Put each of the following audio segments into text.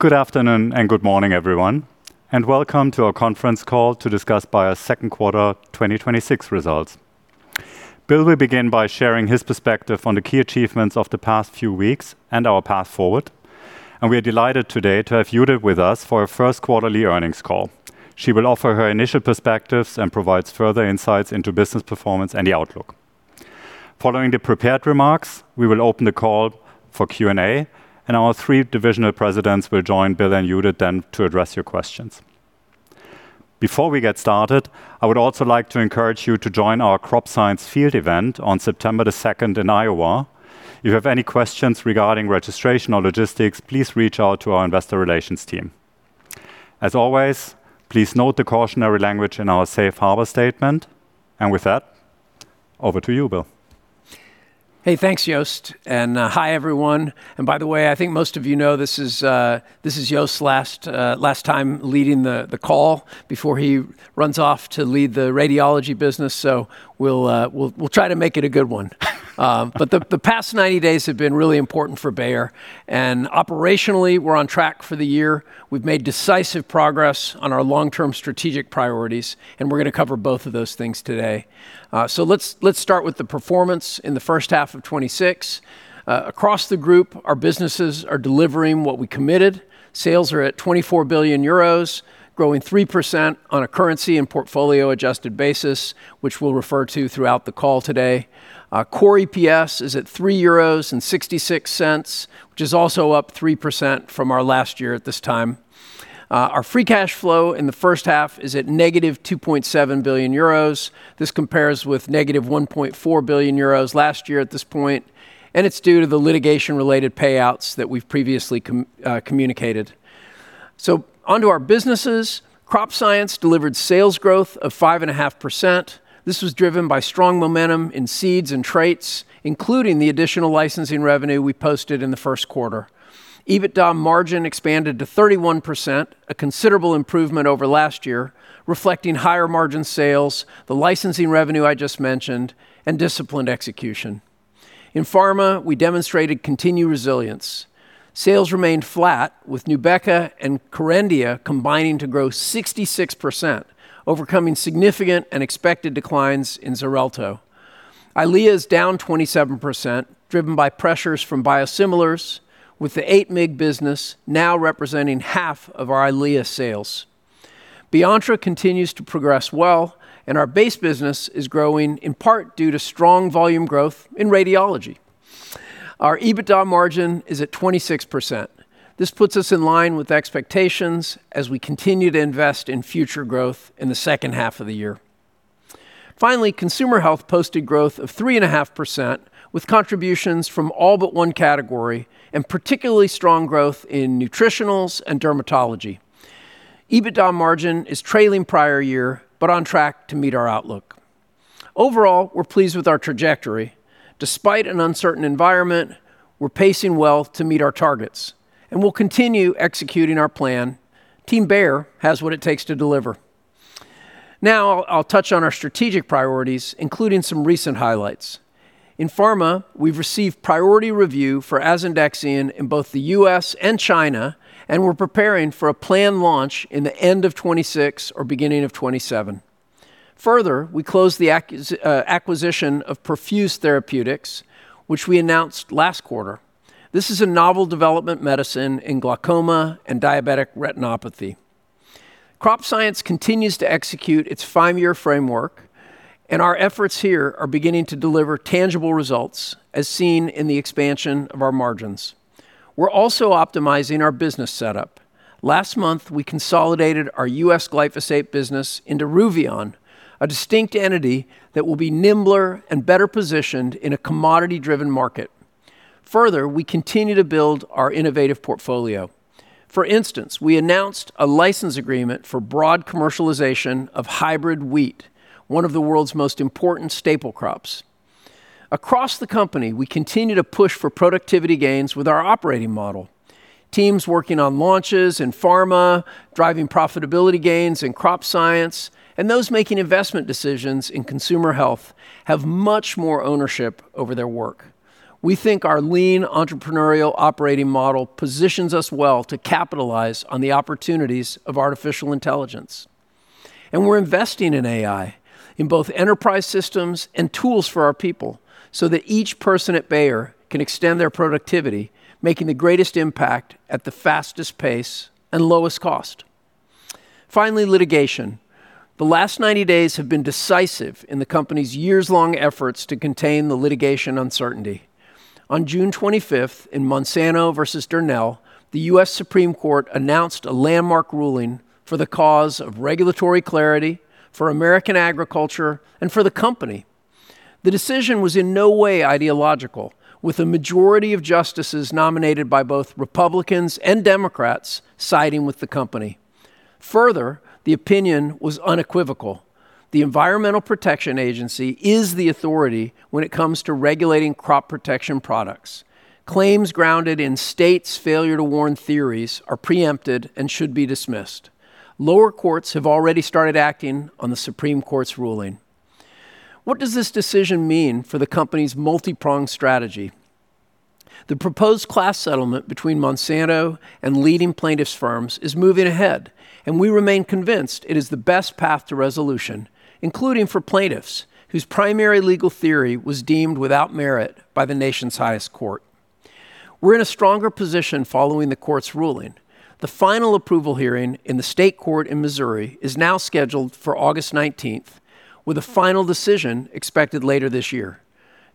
Good afternoon and good morning, everyone, and welcome to our conference call to discuss Bayer's second quarter 2026 results. Bill will begin by sharing his perspective on the key achievements of the past few weeks and our path forward. We are delighted today to have Judith with us for our first quarterly earnings call. She will offer her initial perspectives and provide further insights into business performance and the outlook. Following the prepared remarks, we will open the call for Q&A. Our three divisional presidents will join Bill and Judith then to address your questions. Before we get started, I would also like to encourage you to join our Crop Science field event on September 2nd in Iowa. If you have any questions regarding registration or logistics, please reach out to our investor relations team. As always, please note the cautionary language in our Safe Harbor statement. With that, over to you, Bill. Hey, thanks, Jost. Hi, everyone. By the way, I think most of you know this is Jost's last time leading the call before he runs off to lead the Radiology business. We'll try to make it a good one. The past 90 days have been really important for Bayer. Operationally, we're on track for the year. We've made decisive progress on our long-term strategic priorities. We're going to cover both of those things today. Let's start with the performance in the first half of 2026. Across the group, our businesses are delivering what we committed. Sales are at 24 billion euros, growing 3% on a currency and portfolio adjusted basis, which we'll refer to throughout the call today. Core EPS is at 3.66 euros, which is also up 3% from our last year at this time. Our free cash flow in the first half is at -2.7 billion euros. This compares with -1.4 billion euros last year at this point. It's due to the litigation-related payouts that we've previously communicated. Onto our businesses. Crop Science delivered sales growth of 5.5%. This was driven by strong momentum in seeds and traits, including the additional licensing revenue we posted in the first quarter. EBITDA margin expanded to 31%, a considerable improvement over last year, reflecting higher margin sales, the licensing revenue I just mentioned, and disciplined execution. In Pharmaceuticals, we demonstrated continued resilience. Sales remained flat with NUBEQA and KERENDIA combining to grow 66%, overcoming significant and expected declines in XARELTO. EYLEA is down 27%, driven by pressures from biosimilars, with the 8 mg business now representing half of our EYLEA sales. Beyonttra continues to progress well, and our base business is growing, in part due to strong volume growth in radiology. Our EBITDA margin is at 26%. This puts us in line with expectations as we continue to invest in future growth in the second half of the year. Finally, Consumer Health posted growth of 3.5% with contributions from all but one category, and particularly strong growth in nutritionals and dermatology. EBITDA margin is trailing prior year, but on track to meet our outlook. Overall, we're pleased with our trajectory. Despite an uncertain environment, we're pacing well to meet our targets, and we'll continue executing our plan. Team Bayer has what it takes to deliver. Now I'll touch on our strategic priorities, including some recent highlights. In Pharma, we've received priority review for asundexian in both the U.S. and China, and we're preparing for a planned launch in the end of 2026 or beginning of 2027. Further, we closed the acquisition of Perfuse Therapeutics, which we announced last quarter. This is a novel development medicine in glaucoma and diabetic retinopathy. Crop Science continues to execute its five-year framework, and our efforts here are beginning to deliver tangible results, as seen in the expansion of our margins. We're also optimizing our business setup. Last month, we consolidated our U.S. glyphosate business into Ruveon, a distinct entity that will be nimbler and better positioned in a commodity-driven market. Further, we continue to build our innovative portfolio. For instance, we announced a license agreement for broad commercialization of hybrid wheat, one of the world's most important staple crops. Across the company, we continue to push for productivity gains with our operating model. Teams working on launches in Pharma, driving profitability gains in Crop Science, and those making investment decisions in Consumer Health have much more ownership over their work. We think our lean entrepreneurial operating model positions us well to capitalize on the opportunities of artificial intelligence. We're investing in AI in both enterprise systems and tools for our people so that each person at Bayer can extend their productivity, making the greatest impact at the fastest pace and lowest cost. Finally, litigation. The last 90 days have been decisive in the company's years-long efforts to contain the litigation uncertainty. On June 25th, in Monsanto versus Durnell, the U.S. Supreme Court announced a landmark ruling for the cause of regulatory clarity for American agriculture and for the company. The decision was in no way ideological, with a majority of justices nominated by both Republicans and Democrats siding with the company. Further, the opinion was unequivocal. The Environmental Protection Agency is the authority when it comes to regulating crop protection products. Claims grounded in states' failure to warn theories are preempted and should be dismissed. Lower courts have already started acting on the Supreme Court's ruling. What does this decision mean for the company's multi-pronged strategy? The proposed class settlement between Monsanto and leading plaintiffs firms is moving ahead, and we remain convinced it is the best path to resolution, including for plaintiffs whose primary legal theory was deemed without merit by the nation's highest court. We're in a stronger position following the court's ruling. The final approval hearing in the state court in Missouri is now scheduled for August 19th, with a final decision expected later this year.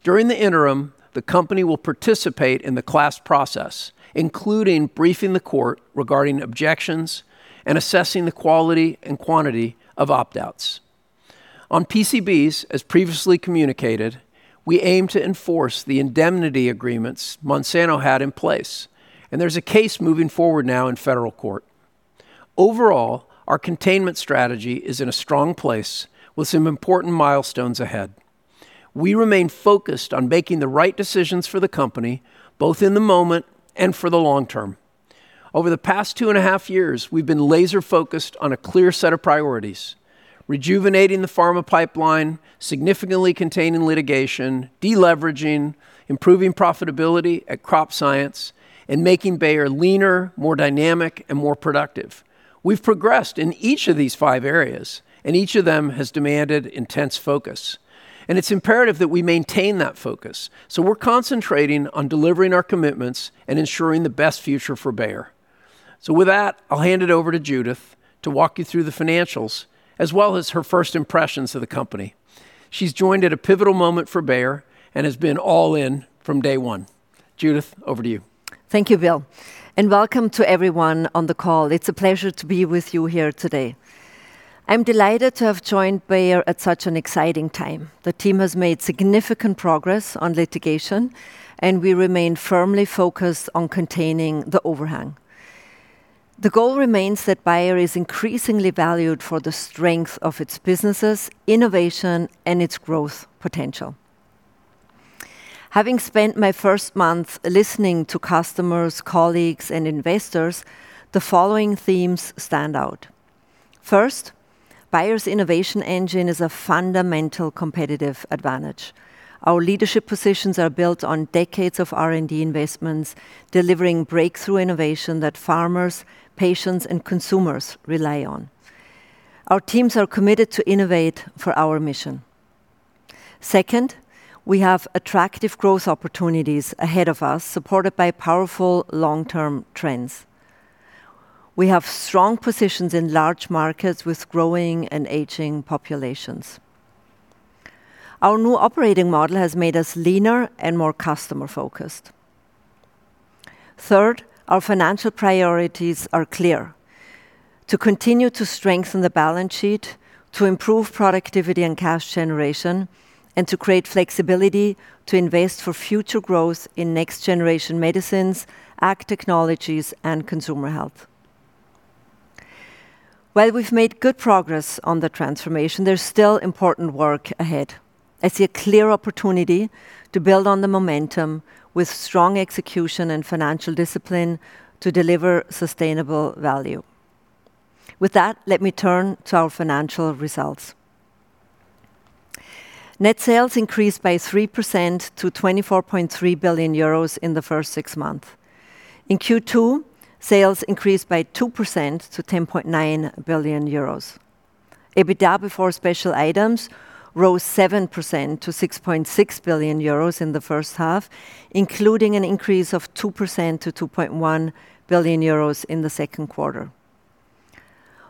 During the interim, the company will participate in the class process, including briefing the court regarding objections and assessing the quality and quantity of opt-outs. On PCBs, as previously communicated, we aim to enforce the indemnity agreements Monsanto had in place. There's a case moving forward now in federal court. Overall, our containment strategy is in a strong place with some important milestones ahead. We remain focused on making the right decisions for the company, both in the moment and for the long term. Over the past 2.5 Years, we've been laser-focused on a clear set of priorities, rejuvenating the pharma pipeline, significantly containing litigation, de-leveraging, improving profitability at Crop Science, and making Bayer leaner, more dynamic, and more productive. We've progressed in each of these five areas. Each of them has demanded intense focus, and it's imperative that we maintain that focus. We're concentrating on delivering our commitments and ensuring the best future for Bayer. With that, I'll hand it over to Judith to walk you through the financials as well as her first impressions of the company. She's joined at a pivotal moment for Bayer and has been all in from day one. Judith, over to you. Thank you, Bill. Welcome to everyone on the call. It's a pleasure to be with you here today. I'm delighted to have joined Bayer at such an exciting time. The team has made significant progress on litigation, and we remain firmly focused on containing the overhang. The goal remains that Bayer is increasingly valued for the strength of its businesses, innovation, and its growth potential. Having spent my first month listening to customers, colleagues, and investors, the following themes stand out. First, Bayer's innovation engine is a fundamental competitive advantage. Our leadership positions are built on decades of R&D investments, delivering breakthrough innovation that farmers, patients, and consumers rely on. Our teams are committed to innovate for our mission. Second, we have attractive growth opportunities ahead of us, supported by powerful long-term trends. We have strong positions in large markets with growing and aging populations. Our new operating model has made us leaner and more customer-focused. Third, our financial priorities are clear: to continue to strengthen the balance sheet, to improve productivity and cash generation, and to create flexibility to invest for future growth in next-generation medicines, ag technologies, and Consumer Health. While we've made good progress on the transformation, there's still important work ahead. I see a clear opportunity to build on the momentum with strong execution and financial discipline to deliver sustainable value. With that, let me turn to our financial results. Net sales increased by 3% to 24.3 billion euros in the first six months. In Q2, sales increased by 2% to 10.9 billion euros. EBITDA before special items rose 7% to 6.6 billion euros in the first half, including an increase of 2% to 2.1 billion euros in the second quarter.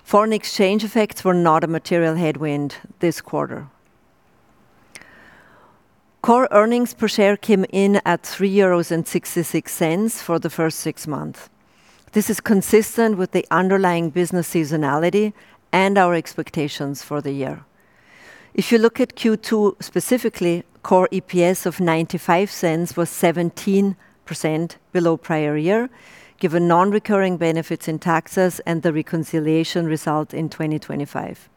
Foreign exchange effects were not a material headwind this quarter. Core earnings per share came in at 3.66 euros for the first six months. This is consistent with the underlying business seasonality and our expectations for the year. If you look at Q2 specifically, Core EPS of 0.95 was 17% below prior year, given non-recurring benefits in taxes and the reconciliation result in 2025.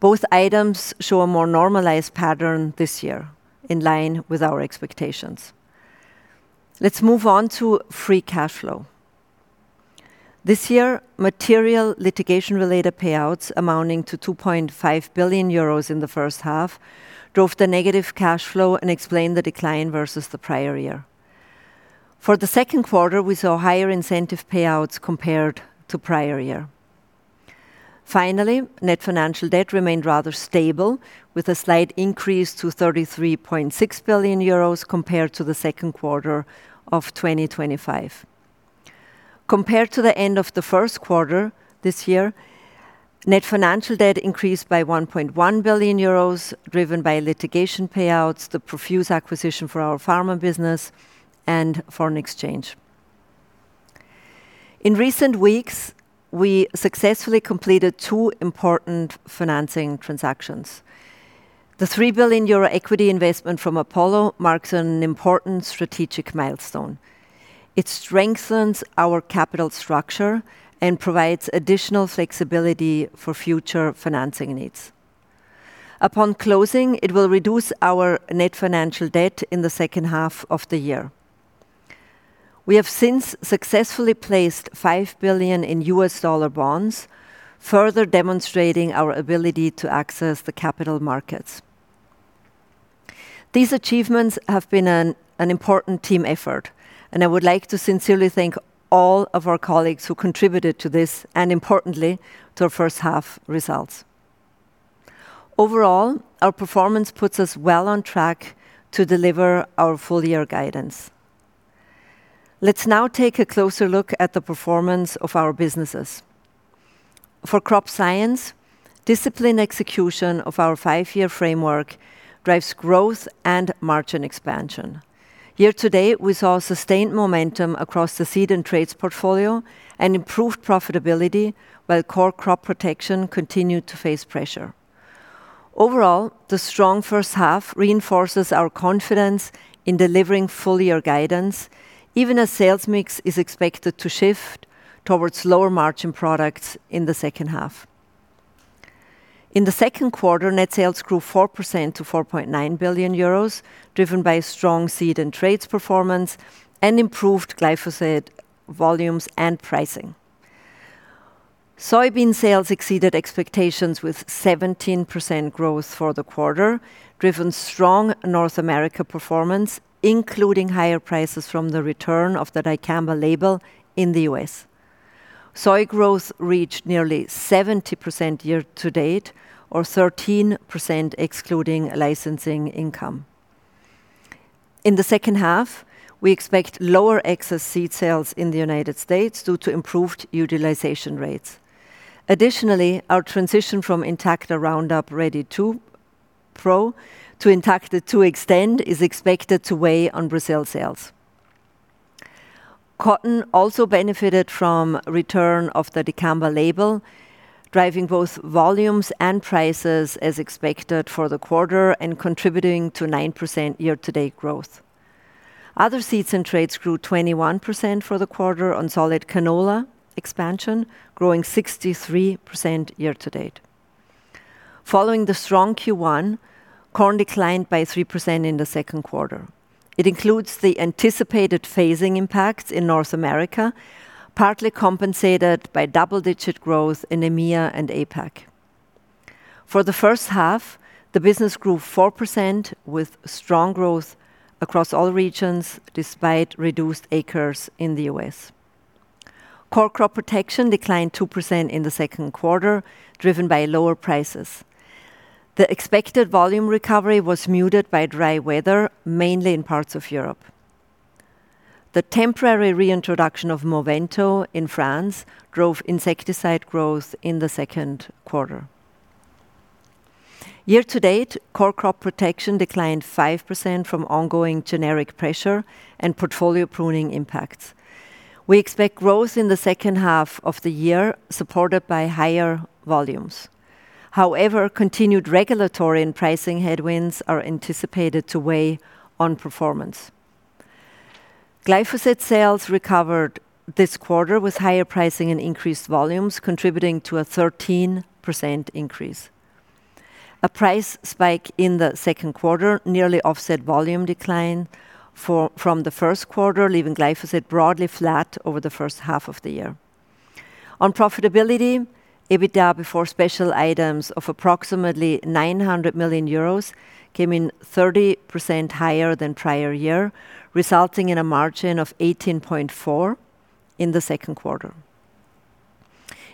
Both items show a more normalized pattern this year, in line with our expectations. Let's move on to free cash flow. This year, material litigation-related payouts amounting to 2.5 billion euros in the first half drove the negative cash flow and explained the decline versus the prior year. For the second quarter, we saw higher incentive payouts compared to prior year. Finally, net financial debt remained rather stable with a slight increase to 33.6 billion euros compared to the second quarter of 2025. Compared to the end of the first quarter this year, net financial debt increased by 1.1 billion euros, driven by litigation payouts, the Perfuse acquisition for our Pharmaceuticals business, and foreign exchange. In recent weeks, we successfully completed two important financing transactions. The 3 billion euro equity investment from Apollo marks an important strategic milestone. It strengthens our capital structure and provides additional flexibility for future financing needs. Upon closing, it will reduce our net financial debt in the second half of the year. We have since successfully placed $5 billion in U.S. dollar bonds, further demonstrating our ability to access the capital markets. These achievements have been an important team effort, and I would like to sincerely thank all of our colleagues who contributed to this, and importantly, to our first half results. Overall, our performance puts us well on track to deliver our full year guidance. Let's now take a closer look at the performance of our businesses. For Crop Science, disciplined execution of our five-year framework drives growth and margin expansion. Here today, we saw sustained momentum across the seed and traits portfolio, and improved profitability, while Core Crop Protection continued to face pressure. Overall, the strong first half reinforces our confidence in delivering full year guidance, even as sales mix is expected to shift towards lower margin products in the second half. In the second quarter, net sales grew 4% to 4.9 billion euros, driven by strong seed and traits performance, and improved glyphosate volumes and pricing. Soybean sales exceeded expectations with 17% growth for the quarter, driven strong North America performance, including higher prices from the return of the dicamba label in the U.S. Soy growth reached nearly 70% year to date, or 13% excluding licensing income. In the second half, we expect lower excess seed sales in the United States due to improved utilization rates. Additionally, our transition from Intacta RR2 Pro to Intacta 2 Xtend is expected to weigh on Brazil sales. Cotton also benefited from return of the dicamba label, driving both volumes and prices as expected for the quarter and contributing to 9% year-to-date growth. Other seeds and traits grew 21% for the quarter on solid canola expansion, growing 63% year to date. Following the strong Q1, corn declined by 3% in the second quarter. It includes the anticipated phasing impacts in North America, partly compensated by double-digit growth in EMEA and APAC. For the first half, the business grew 4% with strong growth across all regions despite reduced acres in the U.S. Core Crop Protection declined 2% in the second quarter, driven by lower prices. The expected volume recovery was muted by dry weather, mainly in parts of Europe. The temporary reintroduction of Movento in France drove insecticide growth in the second quarter. Year to date, core crop protection declined 5% from ongoing generic pressure and portfolio pruning impacts. We expect growth in the second half of the year supported by higher volumes. However, continued regulatory and pricing headwinds are anticipated to weigh on performance. Glyphosate sales recovered this quarter with higher pricing and increased volumes contributing to a 13% increase. A price spike in the second quarter nearly offset volume decline from the first quarter, leaving glyphosate broadly flat over the first half of the year. On profitability, EBITDA before special items of approximately 900 million euros came in 30% higher than prior year, resulting in a margin of 18.4% in the second quarter.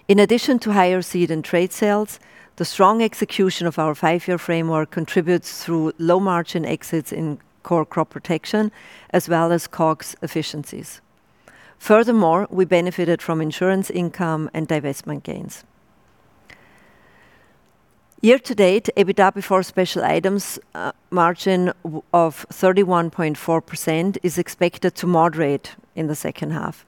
In addition to higher seed and trade sales, the strong execution of our five-year framework contributes through low margin exits in core crop protection as well as COGS efficiencies. Furthermore, we benefited from insurance income and divestment gains. Year to date, EBITDA before special items margin of 31.4% is expected to moderate in the second half.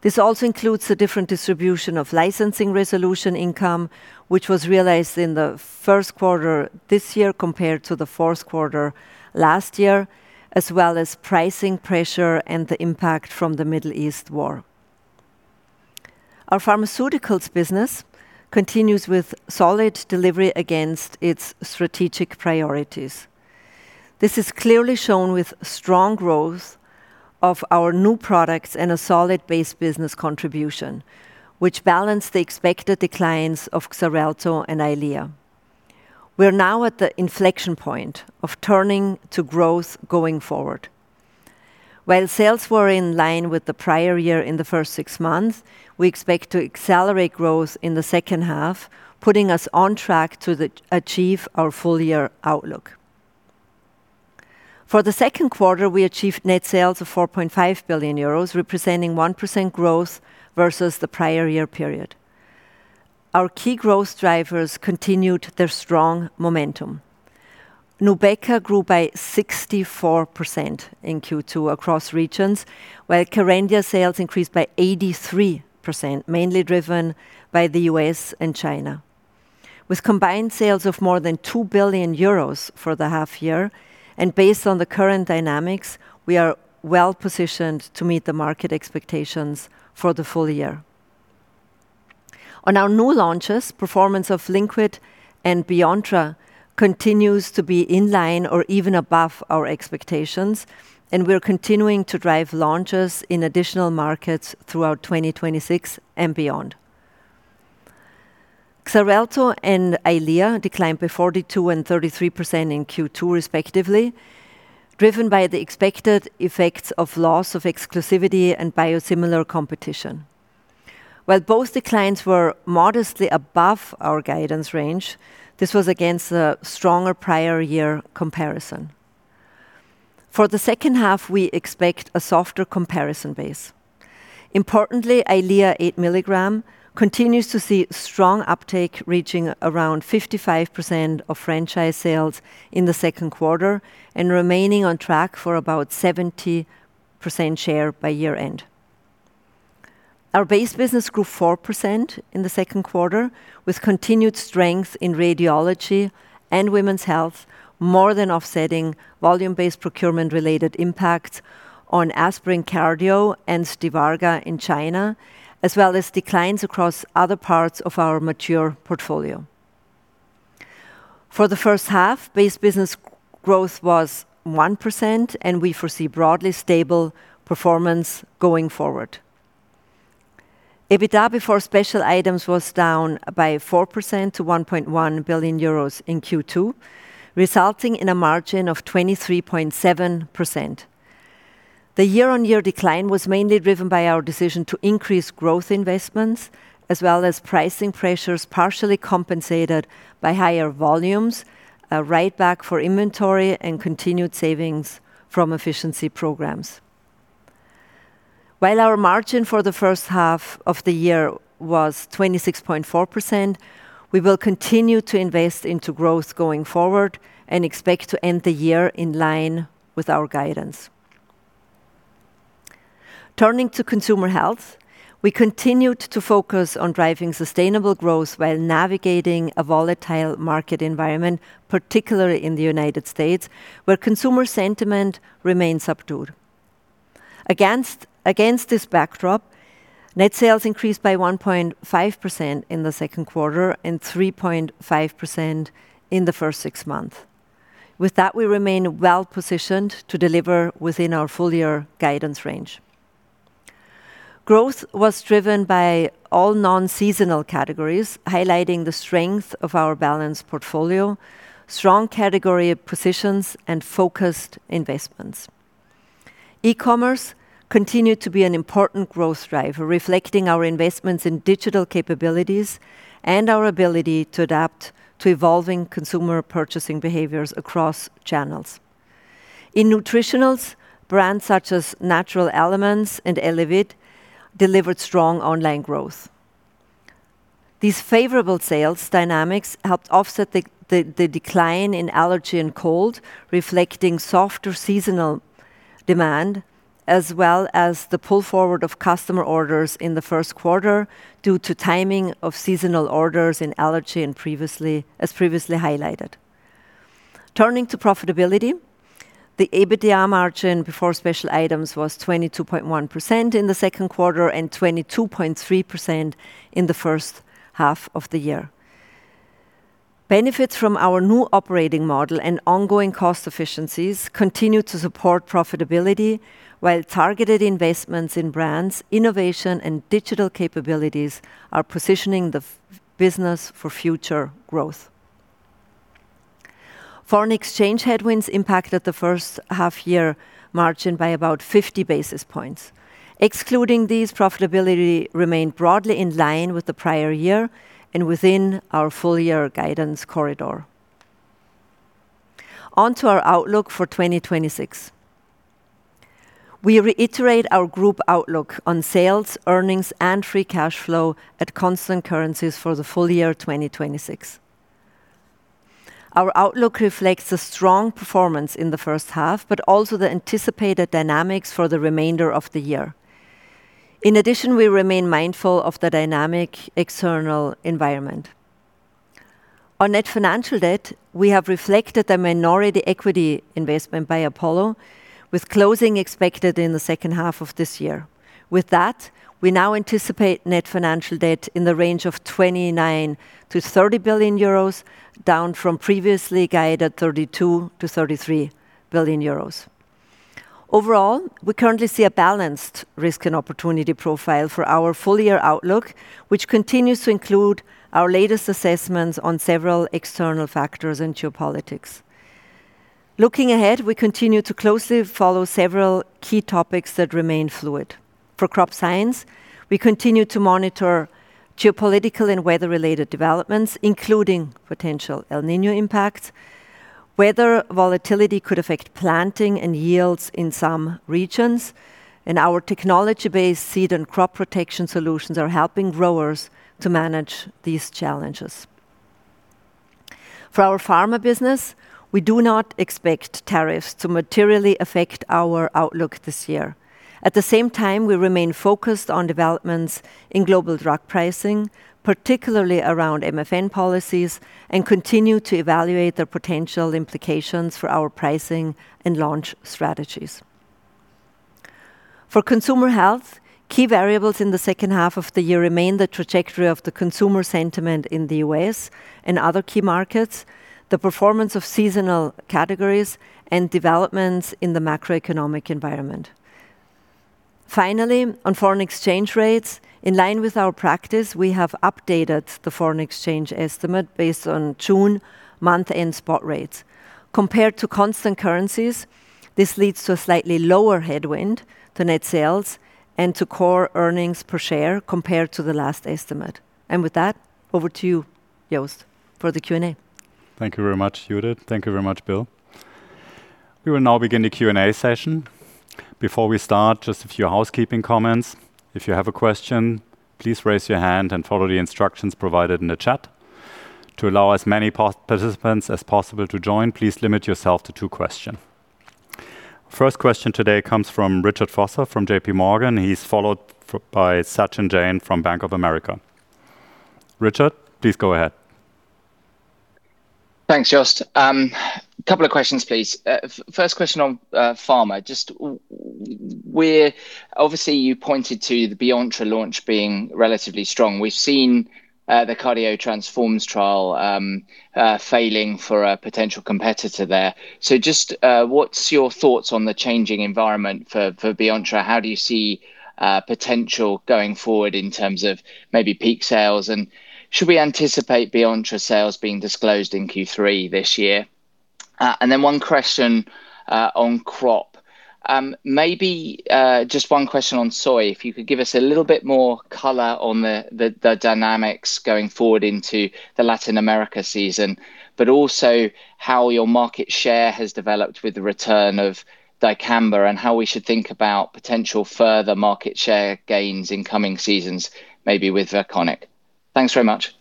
This also includes a different distribution of licensing resolution income, which was realized in the first quarter this year compared to the fourth quarter last year, as well as pricing pressure and the impact from the Middle East war. Our pharmaceuticals business continues with solid delivery against its strategic priorities. This is clearly shown with strong growth of our new products and a solid base business contribution, which balanced the expected declines of XARELTO and EYLEA. We are now at the inflection point of turning to growth going forward. While sales were in line with the prior year in the first six months, we expect to accelerate growth in the second half, putting us on track to achieve our full year outlook. For the second quarter, we achieved net sales of 4.5 billion euros, representing 1% growth versus the prior year period. Our key growth drivers continued their strong momentum. NUBEQA grew by 64% in Q2 across regions, while KERENDIA sales increased by 83%, mainly driven by the U.S. and China. With combined sales of more than 2 billion euros for the half year, and based on the current dynamics, we are well-positioned to meet the market expectations for the full year. On our new launches, performance of Lynkuet and Beyonttra continues to be in line or even above our expectations, and we are continuing to drive launches in additional markets throughout 2026 and beyond. XARELTO and EYLEA declined by 42% and 33% in Q2 respectively, driven by the expected effects of loss of exclusivity and biosimilar competition. While both declines were modestly above our guidance range, this was against a stronger prior year comparison. For the second half, we expect a softer comparison base. Importantly, EYLEA 8 mg continues to see strong uptake, reaching around 55% of franchise sales in the second quarter and remaining on track for about 70% share by year end. Our base business grew 4% in the second quarter, with continued strength in radiology and women's health, more than offsetting volume-based procurement related impacts on ASPIRIN CARDIO and STIVARGA in China, as well as declines across other parts of our mature portfolio. For the first half, base business growth was 1% and we foresee broadly stable performance going forward. EBITDA before special items was down by 4% to 1.1 billion euros in Q2, resulting in a margin of 23.7%. The year-on-year decline was mainly driven by our decision to increase growth investments as well as pricing pressures, partially compensated by higher volumes, a write-back for inventory, and continued savings from efficiency programs. While our margin for the first half of the year was 26.4%, we will continue to invest into growth going forward and expect to end the year in line with our guidance. Turning to Consumer Health, we continued to focus on driving sustainable growth while navigating a volatile market environment, particularly in the United States, where consumer sentiment remains subdued. Against this backdrop, net sales increased by 1.5% in the second quarter and 3.5% in the first six months. With that, we remain well positioned to deliver within our full-year guidance range. Growth was driven by all non-seasonal categories, highlighting the strength of our balanced portfolio, strong category positions, and focused investments. E-commerce continued to be an important growth driver, reflecting our investments in digital capabilities and our ability to adapt to evolving consumer purchasing behaviors across channels. In Nutritionals, brands such as Natural Elements and Elevit delivered strong online growth. These favorable sales dynamics helped offset the decline in allergy and cold, reflecting softer seasonal demand, as well as the pull forward of customer orders in the first quarter due to timing of seasonal orders in allergy as previously highlighted. Turning to profitability, the EBITDA margin before special items was 22.1% in the second quarter and 22.3% in the first half of the year. Benefits from our new operating model and ongoing cost efficiencies continue to support profitability while targeted investments in brands, innovation, and digital capabilities are positioning the business for future growth. Foreign exchange headwinds impacted the first half-year margin by about 50 basis points. Excluding these, profitability remained broadly in line with the prior year and within our full-year guidance corridor. Onto our outlook for 2026. We reiterate our group outlook on sales, earnings, and free cash flow at constant currencies for the full year 2026. Our outlook reflects a strong performance in the first half, but also the anticipated dynamics for the remainder of the year. In addition, we remain mindful of the dynamic external environment. On net financial debt, we have reflected the minority equity investment by Apollo with closing expected in the second half of this year. With that, we now anticipate net financial debt in the range of 29 billion-30 billion euros, down from previously guided 32 billion-33 billion euros. Overall, we currently see a balanced risk and opportunity profile for our full-year outlook, which continues to include our latest assessments on several external factors and geopolitics. Looking ahead, we continue to closely follow several key topics that remain fluid. For Crop Science, we continue to monitor geopolitical and weather-related developments, including potential El Niño impacts. Weather volatility could affect planting and yields in some regions, and our technology-based seed and crop protection solutions are helping growers to manage these challenges. For our Pharma business, we do not expect tariffs to materially affect our outlook this year. At the same time, we remain focused on developments in global drug pricing, particularly around MFN policies, and continue to evaluate the potential implications for our pricing and launch strategies. For Consumer Health, key variables in the second half of the year remain the trajectory of the consumer sentiment in the U.S. and other key markets, the performance of seasonal categories, and developments in the macroeconomic environment. Finally, on foreign exchange rates, in line with our practice, we have updated the foreign exchange estimate based on June month-end spot rates. Compared to constant currencies, this leads to a slightly lower headwind to net sales and to Core Earnings Per Share compared to the last estimate. With that, over to you, Jost, for the Q&A. Thank you very much, Judith. Thank you very much, Bill. We will now begin the Q&A session. Before we start, just a few housekeeping comments. If you have a question, please raise your hand and follow the instructions provided in the chat. To allow as many participants as possible to join, please limit yourself to two question. First question today comes from Richard Vosser from JPMorgan. He is followed by Sachin Jain from Bank of America. Richard, please go ahead. Thanks, Jost. Couple of questions, please. First question on pharma. Obviously, you pointed to the Beyonttra launch being relatively strong. We've seen the CARDIO-TTRansform trial failing for a potential competitor there. Just what's your thoughts on the changing environment for Beyonttra? How do you see potential going forward in terms of maybe peak sales, and should we anticipate Beyonttra sales being disclosed in Q3 this year? Then one question on crop. Maybe just one question on soy. If you could give us a little bit more color on the dynamics going forward into the Latin America season, but also how your market share has developed with the return of dicamba, and how we should think about potential further market share gains in coming seasons, maybe with Iconic. Thanks very much.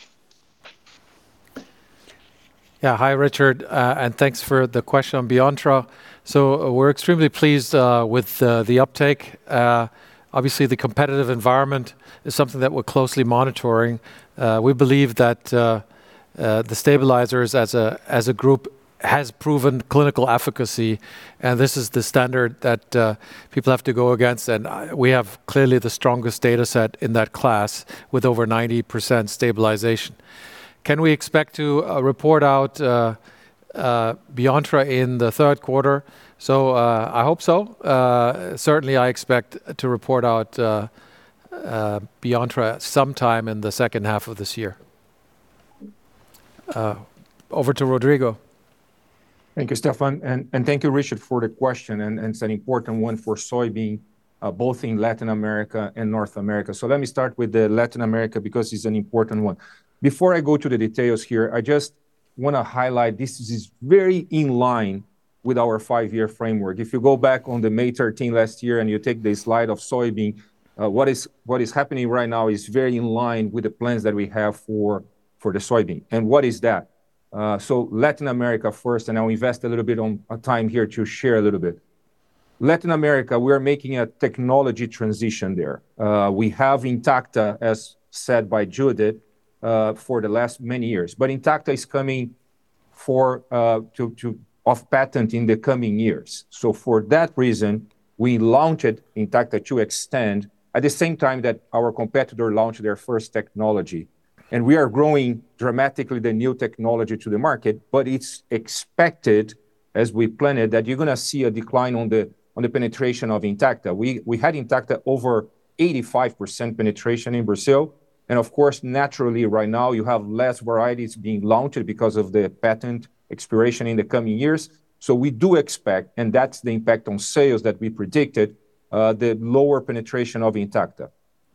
Yeah. Hi, Richard, and thanks for the question on Beyonttra. We're extremely pleased with the uptake. Obviously, the competitive environment is something that we're closely monitoring. We believe that the stabilizers as a group has proven clinical efficacy, and this is the standard that people have to go against. We have clearly the strongest data set in that class with over 90% stabilization. Can we expect to report out Beyonttra in the third quarter? I hope so. Certainly, I expect to report out Beyonttra sometime in the second half of this year. Over to Rodrigo. Thank you, Stefan, and thank you, Richard, for the question, and it's an important one for soybean, both in Latin America and North America. Let me start with Latin America because it's an important one. Before I go to the details here, I just want to highlight this is very in line with our five-year framework. If you go back on the May 13 last year and you take the slide of soybean, what is happening right now is very in line with the plans that we have for the soybean. What is that? Latin America first, and I'll invest a little bit on time here to share a little bit. Latin America, we are making a technology transition there. We have INTACTA, as said by Judith, for the last many years. But INTACTA is coming off patent in the coming years. For that reason, we launched Intacta 2 Xtend at the same time that our competitor launched their first technology. We are growing dramatically the new technology to the market. It's expected, as we planned, that you're going to see a decline on the penetration of INTACTA. We had INTACTA over 85% penetration in Brazil. Of course, naturally right now, you have less varieties being launched because of the patent expiration in the coming years. We do expect, and that's the impact on sales that we predicted, the lower penetration of INTACTA.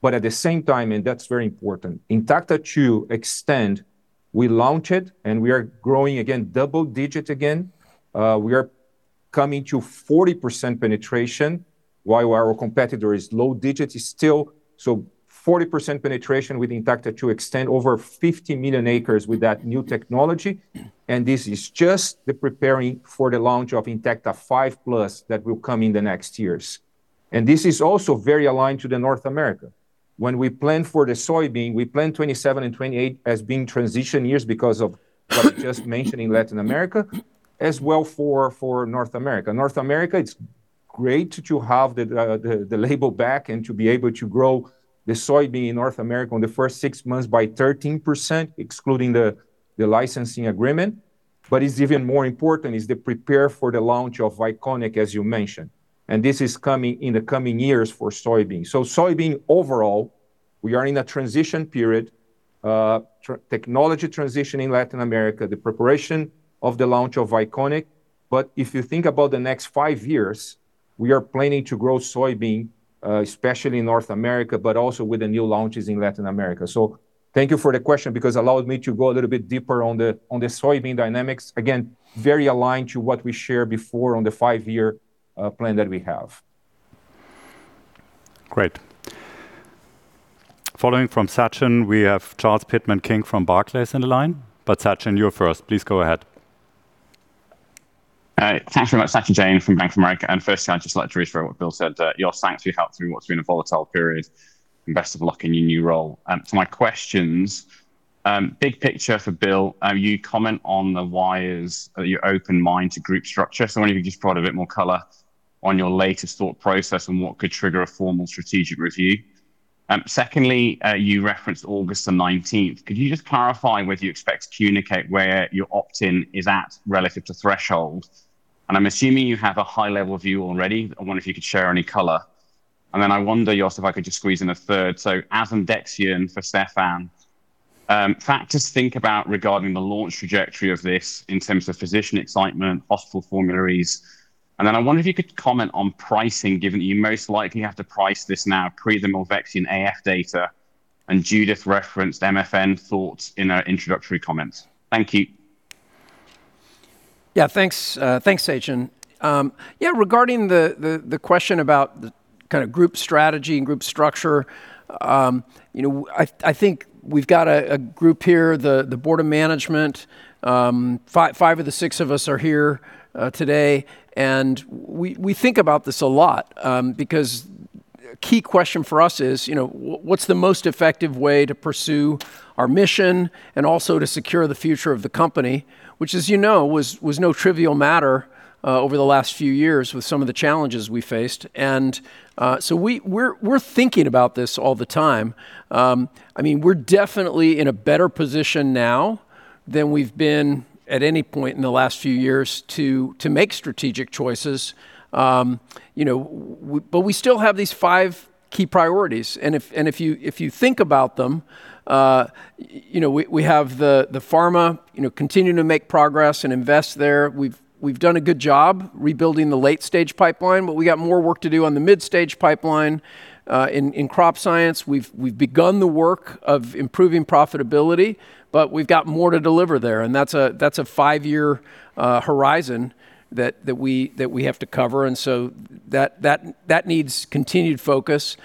At the same time, and that's very important, Intacta 2 Xtend, we launched it and we are growing again, double-digit again. We are coming to 40% penetration while our competitor is low-digit still. 40% penetration with Intacta 2 Xtend, over 50 million acres with that new technology. This is just the preparing for the launch of Intacta 5+ that will come in the next years. This is also very aligned to North America. When we plan for the soybean, we plan 2027 and 2028 as being transition years because of what I just mentioned in Latin America, as well for North America. North America, it's great to have the label back and to be able to grow the soybean in North America in the first six months by 13%, excluding the licensing agreement. What is even more important is the prepare for the launch of Iconic, as you mentioned. This is coming in the coming years for soybean. Soybean overall, we are in a transition period, technology transition in Latin America, the preparation of the launch of Iconic. If you think about the next five years, we are planning to grow soybean, especially in North America, but also with the new launches in Latin America. Thank you for the question because it allowed me to go a little bit deeper on the soybean dynamics. Again, very aligned to what we shared before on the five-year plan that we have. Great. Following from Sachin, we have Charles Pitman-King from Barclays on the line. Sachin, you're first. Please go ahead. Thanks very much. Sachin Jain from Bank of America. Firstly, I'd just like to reiterate what Bill said. Your thanks for your help through what's been a volatile period, and best of luck in your new role. For my questions Big picture for Bill, you comment on the whys of your open mind to group structure. I wonder if you could just provide a bit more color on your latest thought process and what could trigger a formal strategic review. Secondly, you referenced August the 19th. Could you just clarify whether you expect to communicate where your opt-in is at relative to threshold? I'm assuming you have a high-level view already. I wonder if you could share any color. I wonder, Jost, if I could just squeeze in a third. asundexian for Stefan, factors to think about regarding the launch trajectory of this in terms of physician excitement, hospital formularies. I wonder if you could comment on pricing, given that you most likely have to price this now pre the milvexian AF data, Judith referenced MFN thoughts in her introductory comments. Thank you. Thanks Sachin. Regarding the question about the kind of group strategy and group structure, I think we've got a group here, the board of management, five of the six of us are here today, and we think about this a lot. Because key question for us is what's the most effective way to pursue our mission and also to secure the future of the company, which, as you know, was no trivial matter over the last few years with some of the challenges we faced. We're thinking about this all the time. I mean, we're definitely in a better position now than we've been at any point in the last few years to make strategic choices. We still have these five key priorities, if you think about them, we have the Pharma continuing to make progress and invest there. We've done a good job rebuilding the late-stage pipeline, but we got more work to do on the mid-stage pipeline. In Crop Science, we've begun the work of improving profitability, but we've got more to deliver there, and that's a five-year horizon that we have to cover, and so that needs continued focus.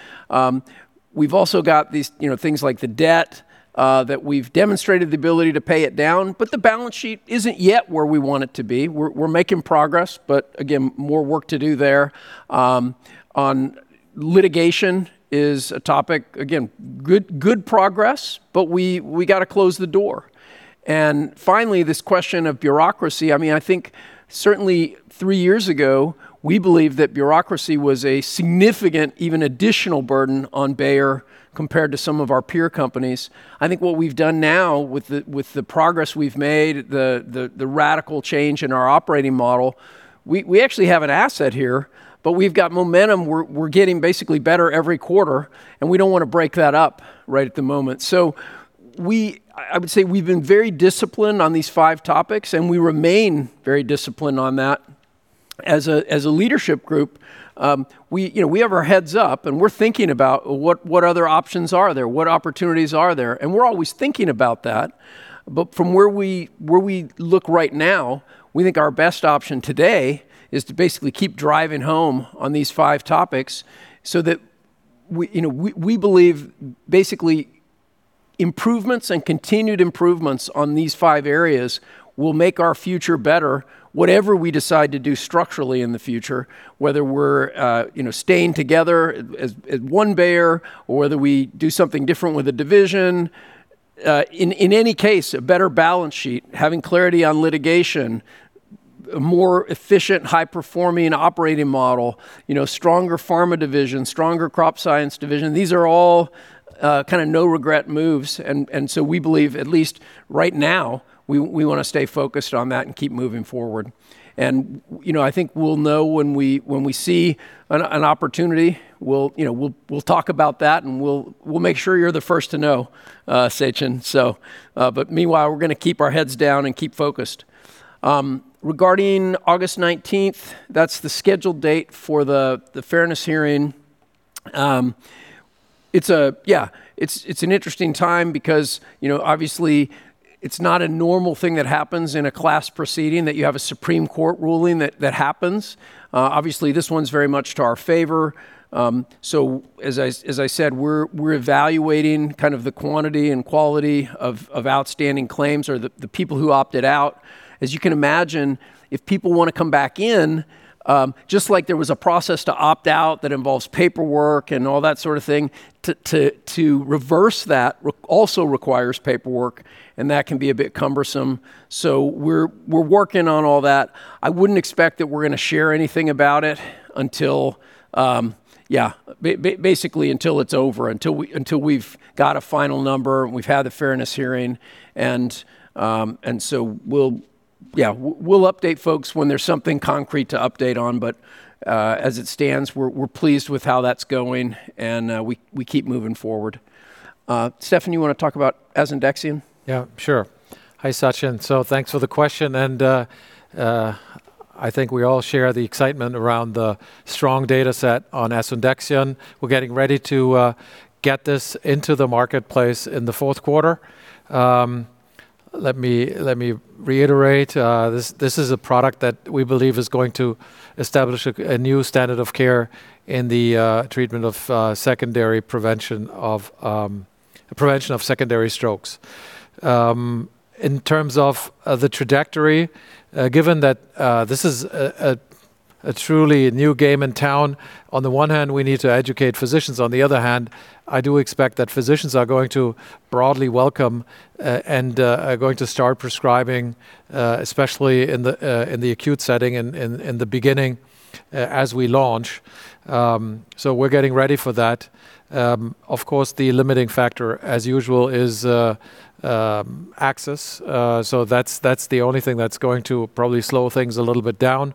We've also got these things like the debt, that we've demonstrated the ability to pay it down, but the balance sheet isn't yet where we want it to be. We're making progress, but again, more work to do there. On litigation is a topic, again, good progress, but we got to close the door. Finally, this question of bureaucracy. I think certainly three years ago, we believe that bureaucracy was a significant, even additional burden on Bayer compared to some of our peer companies. I think what we've done now with the progress we've made, the radical change in our operating model, we actually have an asset here, but we've got momentum. We're getting basically better every quarter, and we don't want to break that up right at the moment. I would say we've been very disciplined on these five topics, and we remain very disciplined on that. As a leadership group, we have our heads up, and we're thinking about what other options are there, what opportunities are there, and we're always thinking about that. From where we look right now, we think our best option today is to basically keep driving home on these five topics so that we believe basically improvements and continued improvements on these five areas will make our future better, whatever we decide to do structurally in the future. Whether we're staying together as one Bayer or whether we do something different with a division. In any case, a better balance sheet, having clarity on litigation, a more efficient, high-performing operating model, stronger pharma division, stronger Crop Science division. These are all kind of no-regret moves, and we believe, at least right now, we want to stay focused on that and keep moving forward. I think we'll know when we see an opportunity. We'll talk about that, and we'll make sure you're the first to know, Sachin. Meanwhile, we're going to keep our heads down and keep focused. Regarding August 19th, that's the scheduled date for the fairness hearing. It's an interesting time because obviously it's not a normal thing that happens in a class proceeding that you have a Supreme Court ruling that happens. Obviously, this one's very much to our favor. As I said, we're evaluating kind of the quantity and quality of outstanding claims or the people who opted out. As you can imagine, if people want to come back in, just like there was a process to opt out that involves paperwork and all that sort of thing, to reverse that also requires paperwork, and that can be a bit cumbersome. We're working on all that. I wouldn't expect that we're going to share anything about it basically until it's over, until we've got a final number and we've had the fairness hearing. We'll update folks when there's something concrete to update on. As it stands, we're pleased with how that's going, and we keep moving forward. Stefan, you want to talk about asundexian? Yeah, sure. Hi, Sachin. Thanks for the question, I think we all share the excitement around the strong data set on asundexian. We're getting ready to get this into the marketplace in the fourth quarter. Let me reiterate. This is a product that we believe is going to establish a new standard of care in the treatment of prevention of secondary strokes. In terms of the trajectory, given that this is a. A truly new game in town. On the one hand, we need to educate physicians, on the other hand, I do expect that physicians are going to broadly welcome and are going to start prescribing, especially in the acute setting in the beginning as we launch. We're getting ready for that. Of course, the limiting factor, as usual, is access. That's the only thing that's going to probably slow things a little bit down.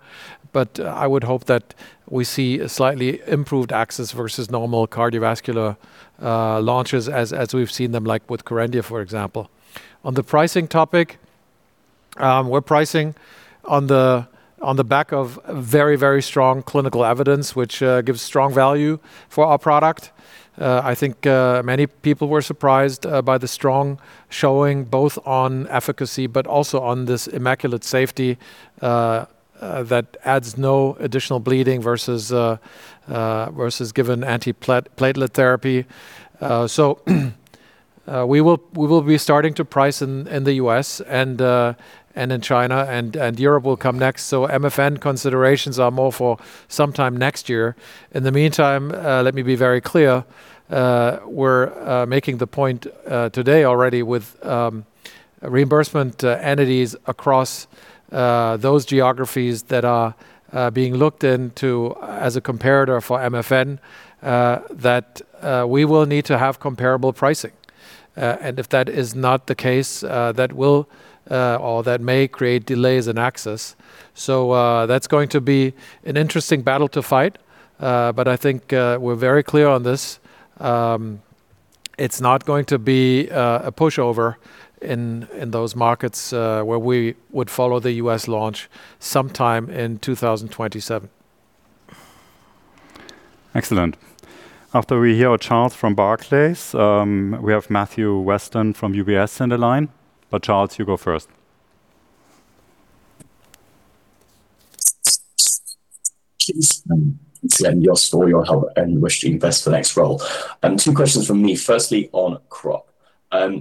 I would hope that we see a slightly improved access versus normal cardiovascular launches as we've seen them, like with KERENDIA, for example. On the pricing topic, we're pricing on the back of very strong clinical evidence, which gives strong value for our product. I think many people were surprised by the strong showing, both on efficacy but also on this immaculate safety that adds no additional bleeding versus given anti-platelet therapy. We will be starting to price in the U.S. and in China, and Europe will come next. MFN considerations are more for sometime next year. In the meantime, let me be very clear, we're making the point today already with reimbursement entities across those geographies that are being looked into as a comparator for MFN, that we will need to have comparable pricing. If that is not the case, that may create delays in access. That's going to be an interesting battle to fight. I think we're very clear on this. It's not going to be a pushover in those markets, where we would follow the U.S. launch sometime in 2027. Excellent. After we hear Charles from Barclays, we have Matthew Weston from UBS on the line. Charles, you go first. Please send your story on how and wish to invest for next role. Two questions from me. Firstly, on crop.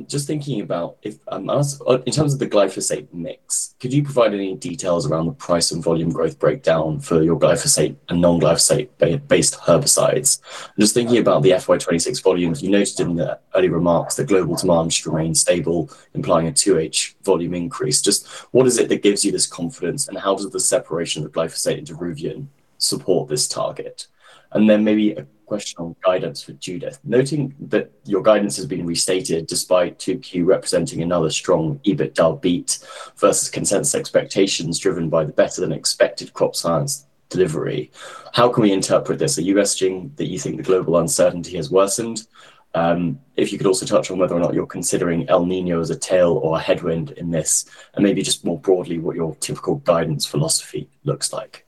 Just thinking about in terms of the glyphosate mix, could you provide any details around the price and volume growth breakdown for your glyphosate and non-glyphosate-based herbicides? Just thinking about the FY 2026 volumes, you noted in the early remarks that global demand should remain stable, implying a 2H volume increase. Just what is it that gives you this confidence, and how does the separation of glyphosate into Ruveon support this target? Maybe a question on guidance for Judith. Noting that your guidance has been restated despite 2Q representing another strong EBITDA beat versus consensus expectations driven by the better-than-expected Crop Science delivery. How can we interpret this? Are you suggesting that you think the global uncertainty has worsened? If you could also touch on whether or not you're considering El Niño as a tail or a headwind in this, and maybe just more broadly, what your typical guidance philosophy looks like.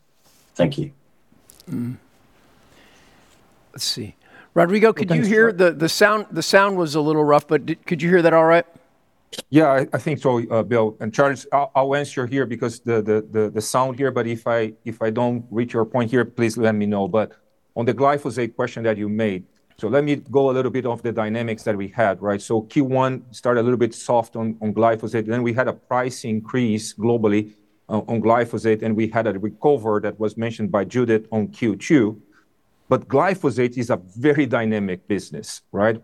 Thank you. Let's see. Rodrigo, could you hear? The sound was a little rough, but could you hear that all right? I think so, Bill. Charles, I'll answer here because the sound here, but if I don't reach your point here, please let me know. On the glyphosate question that you made, let me go a little bit of the dynamics that we had, right? Q1 started a little bit soft on glyphosate. We had a price increase globally on glyphosate, and we had a recovery that was mentioned by Judith on Q2. Glyphosate is a very dynamic business, right?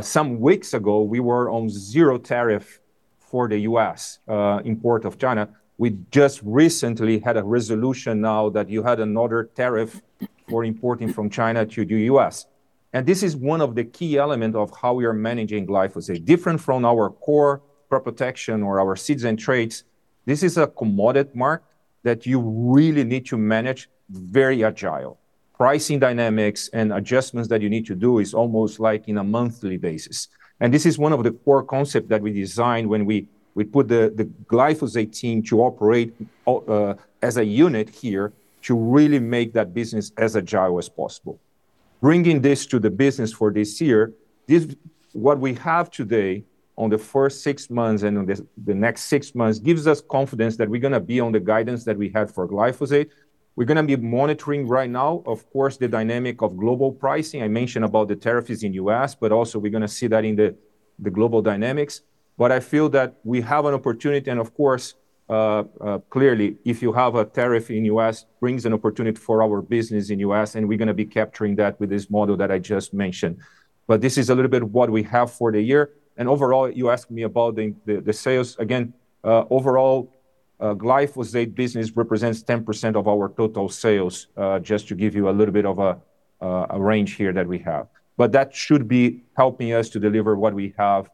Some weeks ago, we were on zero tariff for the U.S. import of China. We just recently had a resolution now that you had another tariff for importing from China to the U.S. This is one of the key elements of how we are managing glyphosate. Different from our core protection or our seeds and traits, this is a commodity market that you really need to manage very agile. Pricing dynamics and adjustments that you need to do is almost like in a monthly basis. This is one of the core concepts that we designed when we put the glyphosate team to operate as a unit here to really make that business as agile as possible. Bringing this to the business for this year, what we have today on the first six months and on the next six months gives us confidence that we're going to be on the guidance that we had for glyphosate. We're going to be monitoring right now, of course, the dynamic of global pricing. I mentioned about the tariffs in U.S., but also we're going to see that in the global dynamics. I feel that we have an opportunity, and of course, clearly, if you have a tariff in U.S., brings an opportunity for our business in U.S., and we're going to be capturing that with this model that I just mentioned. This is a little bit of what we have for the year. Overall, you asked me about the sales. Again, overall, glyphosate business represents 10% of our total sales, just to give you a little bit of a range here that we have. That should be helping us to deliver what we have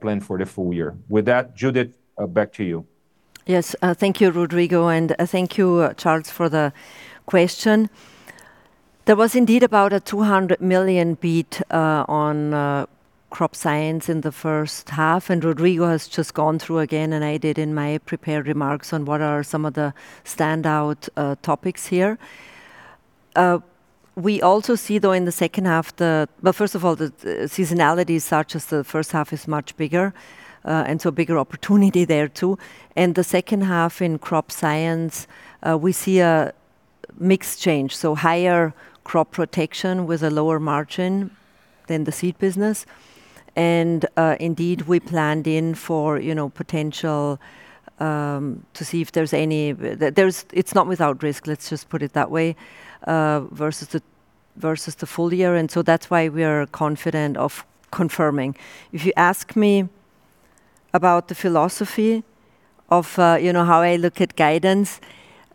planned for the full year. With that, Judith, back to you. Yes. Thank you, Rodrigo, and thank you, Charles, for the question. There was indeed about a 200 million beat on Crop Science in the first half, and Rodrigo has just gone through again, and I did in my prepared remarks on what are some of the standout topics here. We also see, though, in the second half the first of all, the seasonality is such as the first half is much bigger, and so a bigger opportunity there, too. In the second half in Crop Science, we see a mix change, so higher crop protection with a lower margin than the seed business. Indeed, we planned in for potential to see if there's any. It's not without risk, let's just put it that way, versus the full year, that's why we are confident of confirming. If you ask me about the philosophy of how I look at guidance,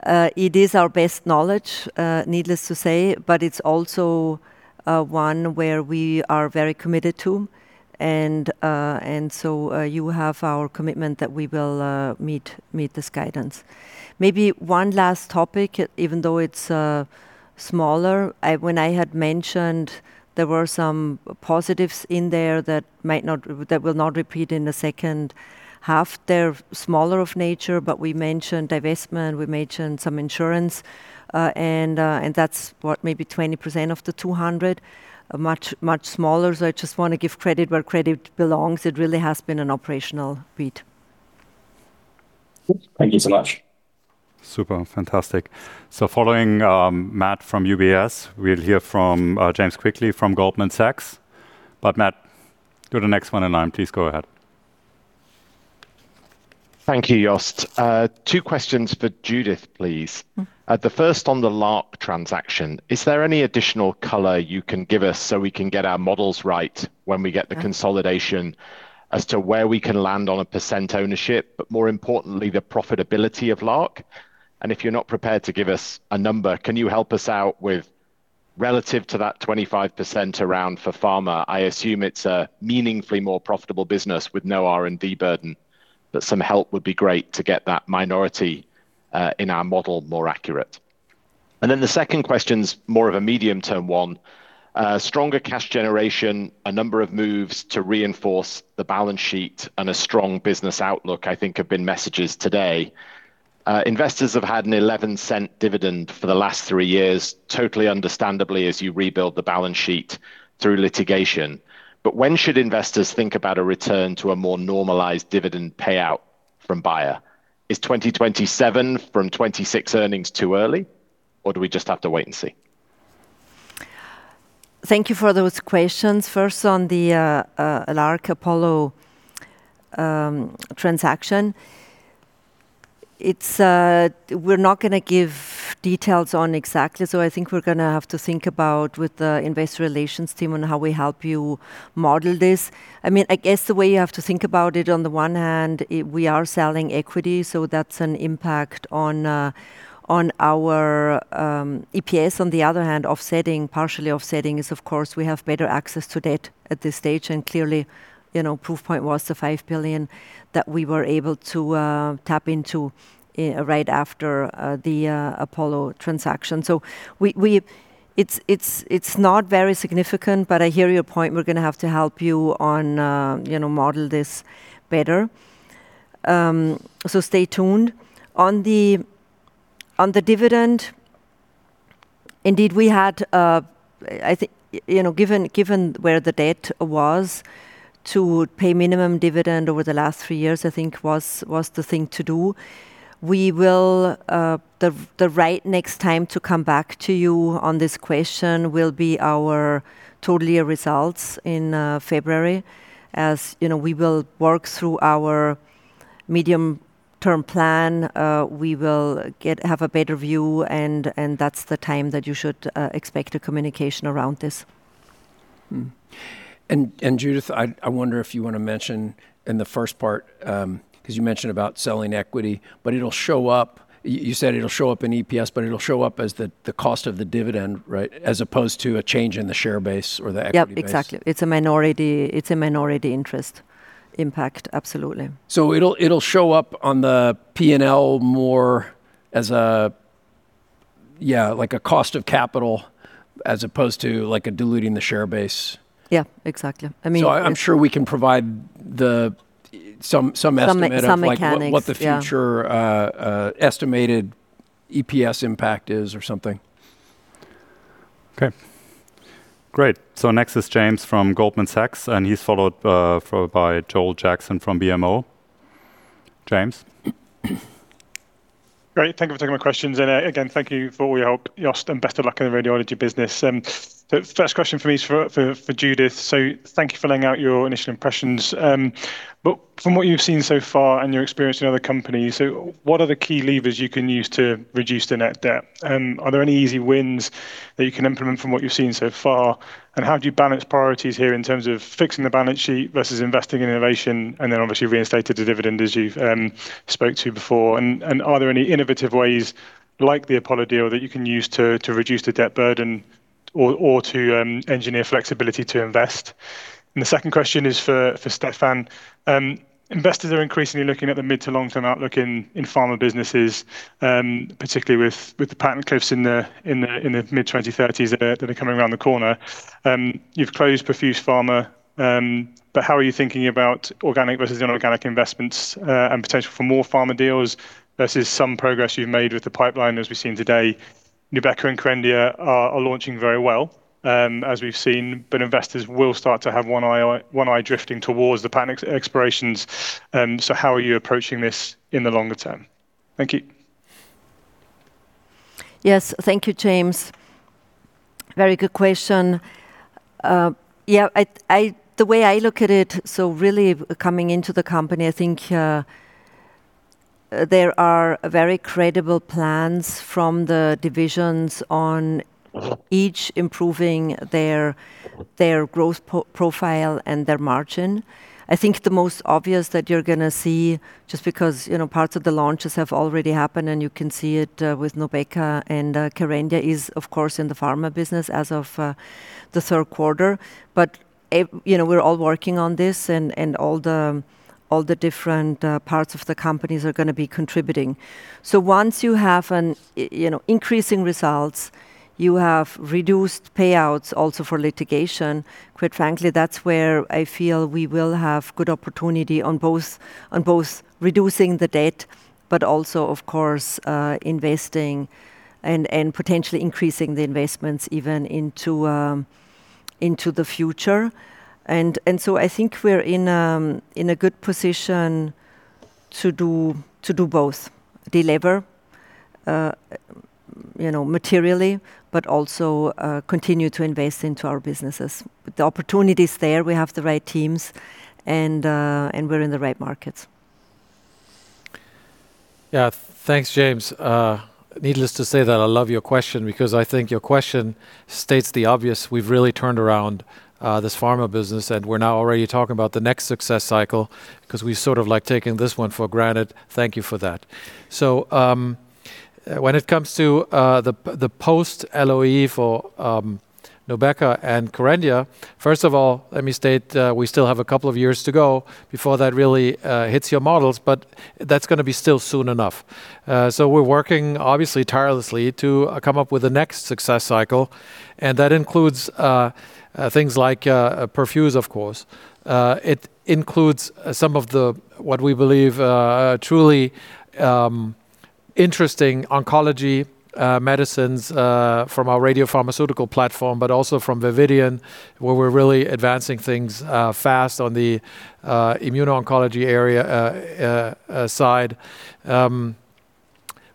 it is our best knowledge, needless to say, but it's also one where we are very committed to, you have our commitment that we will meet this guidance. Maybe one last topic, even though it's smaller. When I had mentioned there were some positives in there that will not repeat in the second half. They're smaller of nature, but we mentioned divestment, we mentioned some insurance, and that's what maybe 20% of the 200 million. Much smaller, I just want to give credit where credit belongs. It really has been an operational beat. Thank you so much. Super. Fantastic. Following Matt from UBS, we will hear from James Quigley from Goldman Sachs. Matt, you are the next one in line. Please go ahead. Thank you, Jost. Two questions for Judith, please. The first on the LARC transaction. Is there any additional color you can give us so we can get our models right when we get the consolidation as to where we can land on a percent ownership? More importantly, the profitability of LARC? If you are not prepared to give us a number, can you help us out with relative to that 25% around for Pharmaceuticals, I assume it is a meaningfully more profitable business with no R&D burden. Some help would be great to get that minority in our model more accurate. The second question is more of a medium term one. Stronger cash generation, a number of moves to reinforce the balance sheet, and a strong business outlook, I think, have been messages today. Investors have had an 0.11 dividend for the last three years, totally understandably, as you rebuild the balance sheet through litigation. When should investors think about a return to a more normalized dividend payout from Bayer? Is 2027 from 2026 earnings too early, or do we just have to wait and see? Thank you for those questions. First, on the LARC Apollo transaction, we're not going to give details on exactly. I think we're going to have to think about with the investor relations team on how we help you model this. I guess the way you have to think about it, on the one hand, we are selling equity, so that's an impact on our EPS. On the other hand, partially offsetting is, of course, we have better access to debt at this stage. Clearly, proof point was the 5 billion that we were able to tap into right after the Apollo transaction. It's not very significant, but I hear your point. We're going to have to help you on model this better. Stay tuned. On the dividend, indeed, given where the debt was, to pay minimum dividend over the last three years, I think, was the thing to do. The right next time to come back to you on this question will be our total year results in February. We will work through our medium-term plan, we will have a better view, and that's the time that you should expect a communication around this. Judith, I wonder if you want to mention in the first part, because you mentioned about selling equity, you said it'll show up in EPS, but it'll show up as the cost of the dividend, right? As opposed to a change in the share base or the equity base. Yep, exactly. It's a minority interest impact. Absolutely. It'll show up on the P&L more as a cost of capital as opposed to a diluting the share base. Yeah. Exactly. I'm sure we can provide some estimate of. Some mechanics. What the future estimated EPS impact is or something. Okay. Great. Next is James from Goldman Sachs, and he's followed by Joel Jackson from BMO. James? Great. Thank you for taking my questions. Again, thank you for all your help, Jost, and best of luck in the radiology business. The first question for me is for Judith. Thank you for laying out your initial impressions. From what you've seen so far and your experience in other companies, what are the key levers you can use to reduce the net debt? Are there any easy wins that you can implement from what you've seen so far? How do you balance priorities here in terms of fixing the balance sheet versus investing in innovation and then obviously reinstating the dividend as you've spoke to before? Are there any innovative ways, like the Apollo deal, that you can use to reduce the debt burden or to engineer flexibility to invest? The second question is for Stefan. Investors are increasingly looking at the mid to long-term outlook in pharma businesses, particularly with the patent cliffs in the mid 2030s that are coming around the corner. You've closed Perfuse Therapeutics. How are you thinking about organic versus inorganic investments, and potential for more pharma deals versus some progress you've made with the pipeline, as we've seen today? NUBEQA and KERENDIA are launching very well, as we've seen. Investors will start to have one eye drifting towards the patent expirations. How are you approaching this in the longer term? Thank you. Yes. Thank you, James. Very good question. The way I look at it, really coming into the company, I think there are very credible plans from the divisions on each improving their growth profile and their margin. I think the most obvious that you're going to see, just because parts of the launches have already happened and you can see it with NUBEQA and KERENDIA is, of course, in the pharma business as of the third quarter. We're all working on this, and all the different parts of the companies are going to be contributing. Once you have increasing results, you have reduced payouts also for litigation. Quite frankly, that's where I feel we will have good opportunity on both reducing the debt, also of course, investing and potentially increasing the investments even into the future. I think we're in a good position to do both. Delever materially, also continue to invest into our businesses. The opportunity's there, we have the right teams and we're in the right markets. Thanks, James. Needless to say that I love your question because I think your question states the obvious. We've really turned around this pharma business, we're now already talking about the next success cycle because we sort of like taking this one for granted. Thank you for that. When it comes to the post-LOE for NUBEQA and KERENDIA, first of all, let me state, we still have a couple of years to go before that really hits your models, that's going to be still soon enough. We're working obviously tirelessly to come up with the next success cycle, and that includes things like Perfuse, of course. It includes some of what we believe are truly interesting oncology medicines from our radiopharmaceutical platform, also from Vividion, where we're really advancing things fast on the immuno-oncology area side.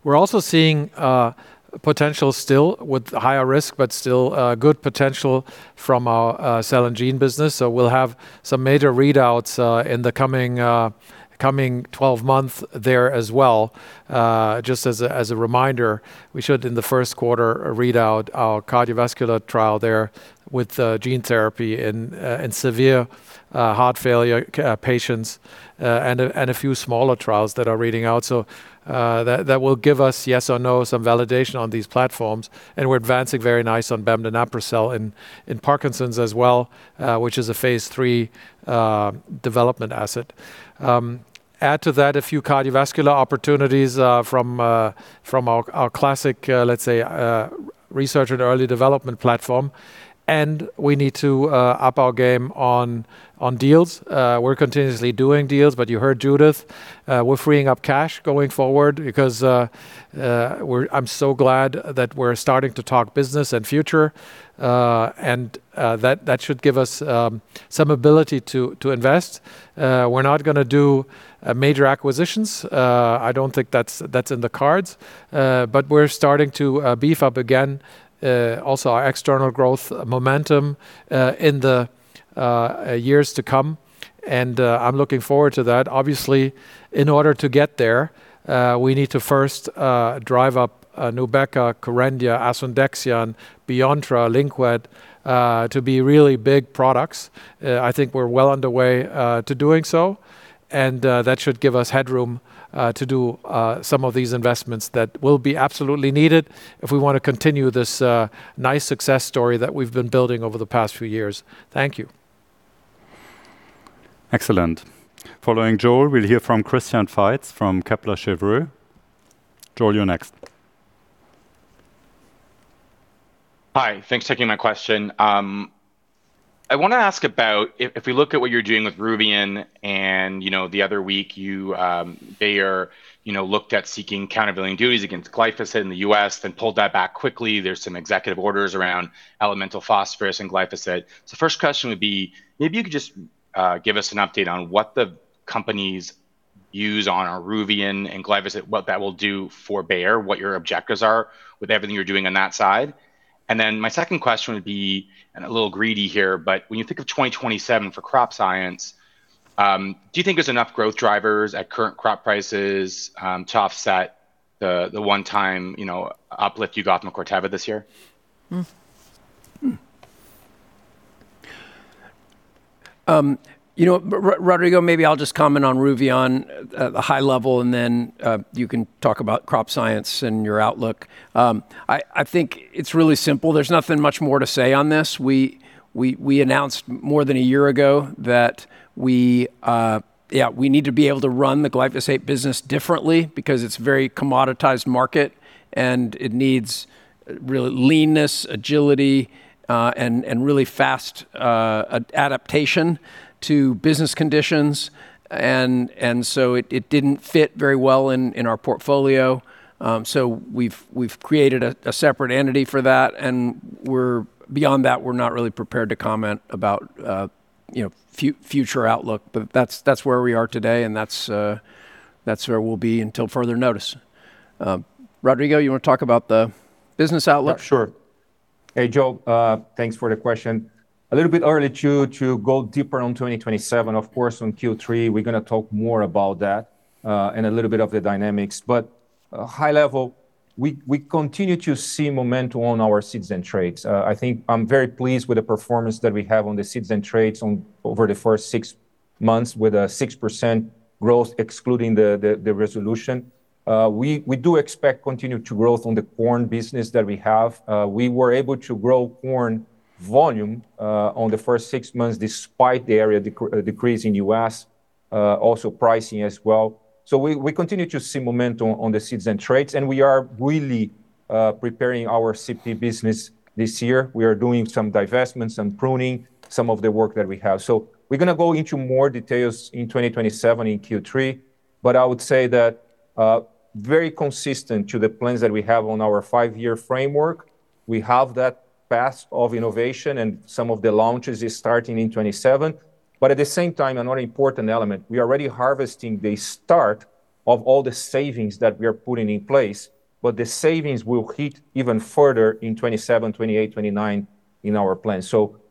We're also seeing potential still with higher risk, but still good potential from our cell and gene business. We'll have some major readouts in the coming 12 months there as well. Just as a reminder, we should in the first quarter readout our cardiovascular trial there with gene therapy in severe heart failure patients, and a few smaller trials that are reading out. That will give us yes or no, some validation on these platforms, and we're advancing very nice on bemdaneprocel in Parkinson's as well, which is a phase III development asset. Add to that a few cardiovascular opportunities from our classic, let's say, research and early development platform. We need to up our game on deals. We're continuously doing deals, but you heard Judith, we're freeing up cash going forward because I'm so glad that we're starting to talk business and future. That should give us some ability to invest. We're not going to do major acquisitions. I don't think that's in the cards. We're starting to beef up again, also our external growth momentum in the years to come. I'm looking forward to that. Obviously, in order to get there, we need to first drive up NUBEQA, KERENDIA, asundexian, Beyonttra, Lynkuet, to be really big products. I think we're well underway to doing so, and that should give us headroom to do some of these investments that will be absolutely needed if we want to continue this nice success story that we've been building over the past few years. Thank you. Excellent. Following Joel, we'll hear from Christian Faitz from Kepler Cheuvreux. Joel, you're next. Hi, thanks for taking my question. I want to ask about if we look at what you're doing with Ruveon and the other week, Bayer looked at seeking countervailing duties against glyphosate in the U.S., then pulled that back quickly. There's some executive orders around elemental phosphorus and glyphosate. The first question would be, maybe you could just give us an update on what the companies use on Ruveon and glyphosate, what that will do for Bayer, what your objectives are with everything you're doing on that side. Then my second question would be, and a little greedy here, but when you think of 2027 for Crop Science, do you think there's enough growth drivers at current crop prices to offset the one-time uplift you got from Corteva this year? Rodrigo, maybe I'll just comment on Ruveon at a high level, then you can talk about Crop Science and your outlook. I think it's really simple. There's nothing much more to say on this. We announced more than a year ago that we need to be able to run the glyphosate business differently because it's a very commoditized market, and it needs real leanness, agility, and really fast adaptation to business conditions. It didn't fit very well in our portfolio. We've created a separate entity for that, and beyond that, we're not really prepared to comment about. Future outlook, that's where we are today, and that's where we'll be until further notice. Rodrigo, you want to talk about the business outlook? Sure. Hey, Joe. Thanks for the question. A little bit early to go deeper on 2027. Of course, on Q3, we're going to talk more about that and a little bit of the dynamics. High level, we continue to see momentum on our seeds and traits. I think I'm very pleased with the performance that we have on the seeds and traits over the first six months with a 6% growth excluding the resolution. We do expect continued growth on the corn business that we have. We were able to grow corn volume on the first six months despite the area decrease in U.S., also pricing as well. We continue to see momentum on the seeds and traits, and we are really preparing our CP business this year. We are doing some divestments, some pruning, some of the work that we have. We're going to go into more details in 2027 in Q3. I would say that very consistent to the plans that we have on our five-year framework, we have that path of innovation and some of the launches is starting in 2027. At the same time, another important element, we are already harvesting the start of all the savings that we are putting in place, but the savings will hit even further in 2027, 2028, 2029 in our plan.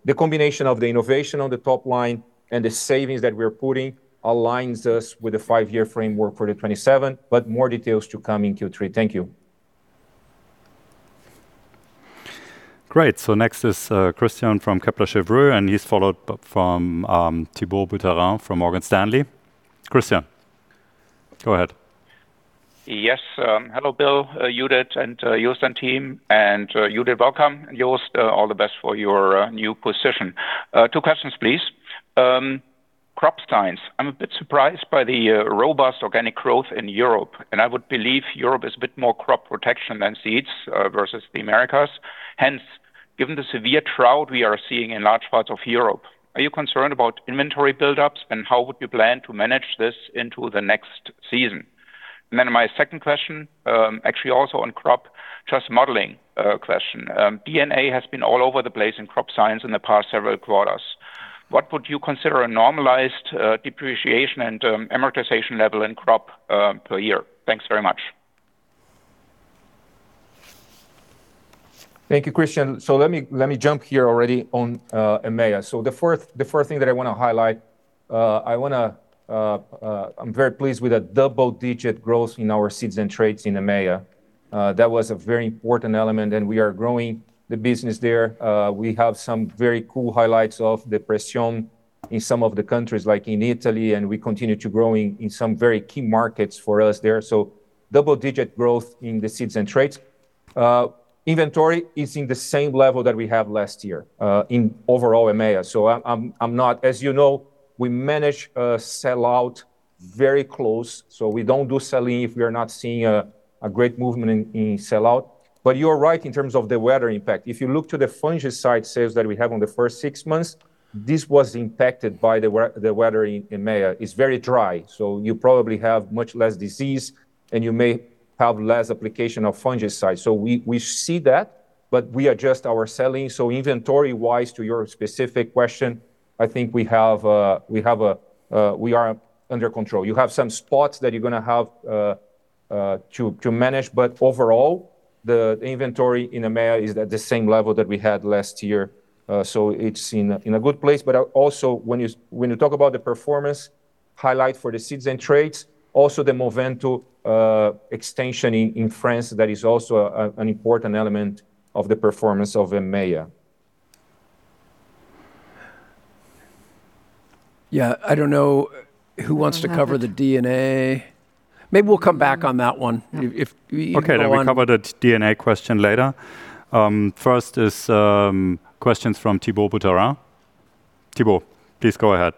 The combination of the innovation on the top line and the savings that we are putting aligns us with a five-year framework for the 2027, but more details to come in Q3. Thank you. Next is Christian from Kepler Cheuvreux, and he is followed by Thibault Boutherin from Morgan Stanley. Christian, go ahead. Hello, Bill, Judith, and Jost and team. Judith, welcome, and Jost, all the best for your new position. Two questions, please. Crop Science. I am a bit surprised by the robust organic growth in Europe, I would believe Europe is a bit more crop protection than seeds versus the Americas. Given the severe drought we are seeing in large parts of Europe, are you concerned about inventory buildups, and how would you plan to manage this into the next season? My second question, actually also on Crop Science, just modeling question. D&A has been all over the place in Crop Science in the past several quarters. What would you consider a normalized depreciation and amortization level in Crop Science per year? Thanks very much. Thank you, Christian. Let me jump here already on EMEA. The first thing that I want to highlight, I am very pleased with the double-digit growth in our seeds and traits in EMEA. That was a very important element, we are growing the business there. We have some very cool highlights of the presión in some of the countries, like in Italy, we continue to grow in some very key markets for us there. Double-digit growth in the seeds and traits. Inventory is at the same level that we had last year in overall EMEA. As you know, we manage a sellout very closely, we do not do selling if we are not seeing a great movement in sellout. You are right in terms of the weather impact. If you look at the fungicide sales that we had in the first six months, this was impacted by the weather in EMEA. It is very dry, you probably have much less disease, and you may have less application of fungicides. We see that, but we adjust our selling. Inventory-wise, to your specific question, I think we are under control. You have some spots that you are going to have to manage, but overall, the inventory in EMEA is at the same level that we had last year. It is in a good place. Also when you talk about the performance highlight for the seeds and traits, also the Movento extension in France, that is also an important element of the performance of EMEA. I don't know who wants to cover the D&A. Maybe we'll come back on that one. We cover the D&A question later. First is questions from Thibault Boutherin. Thibault, please go ahead.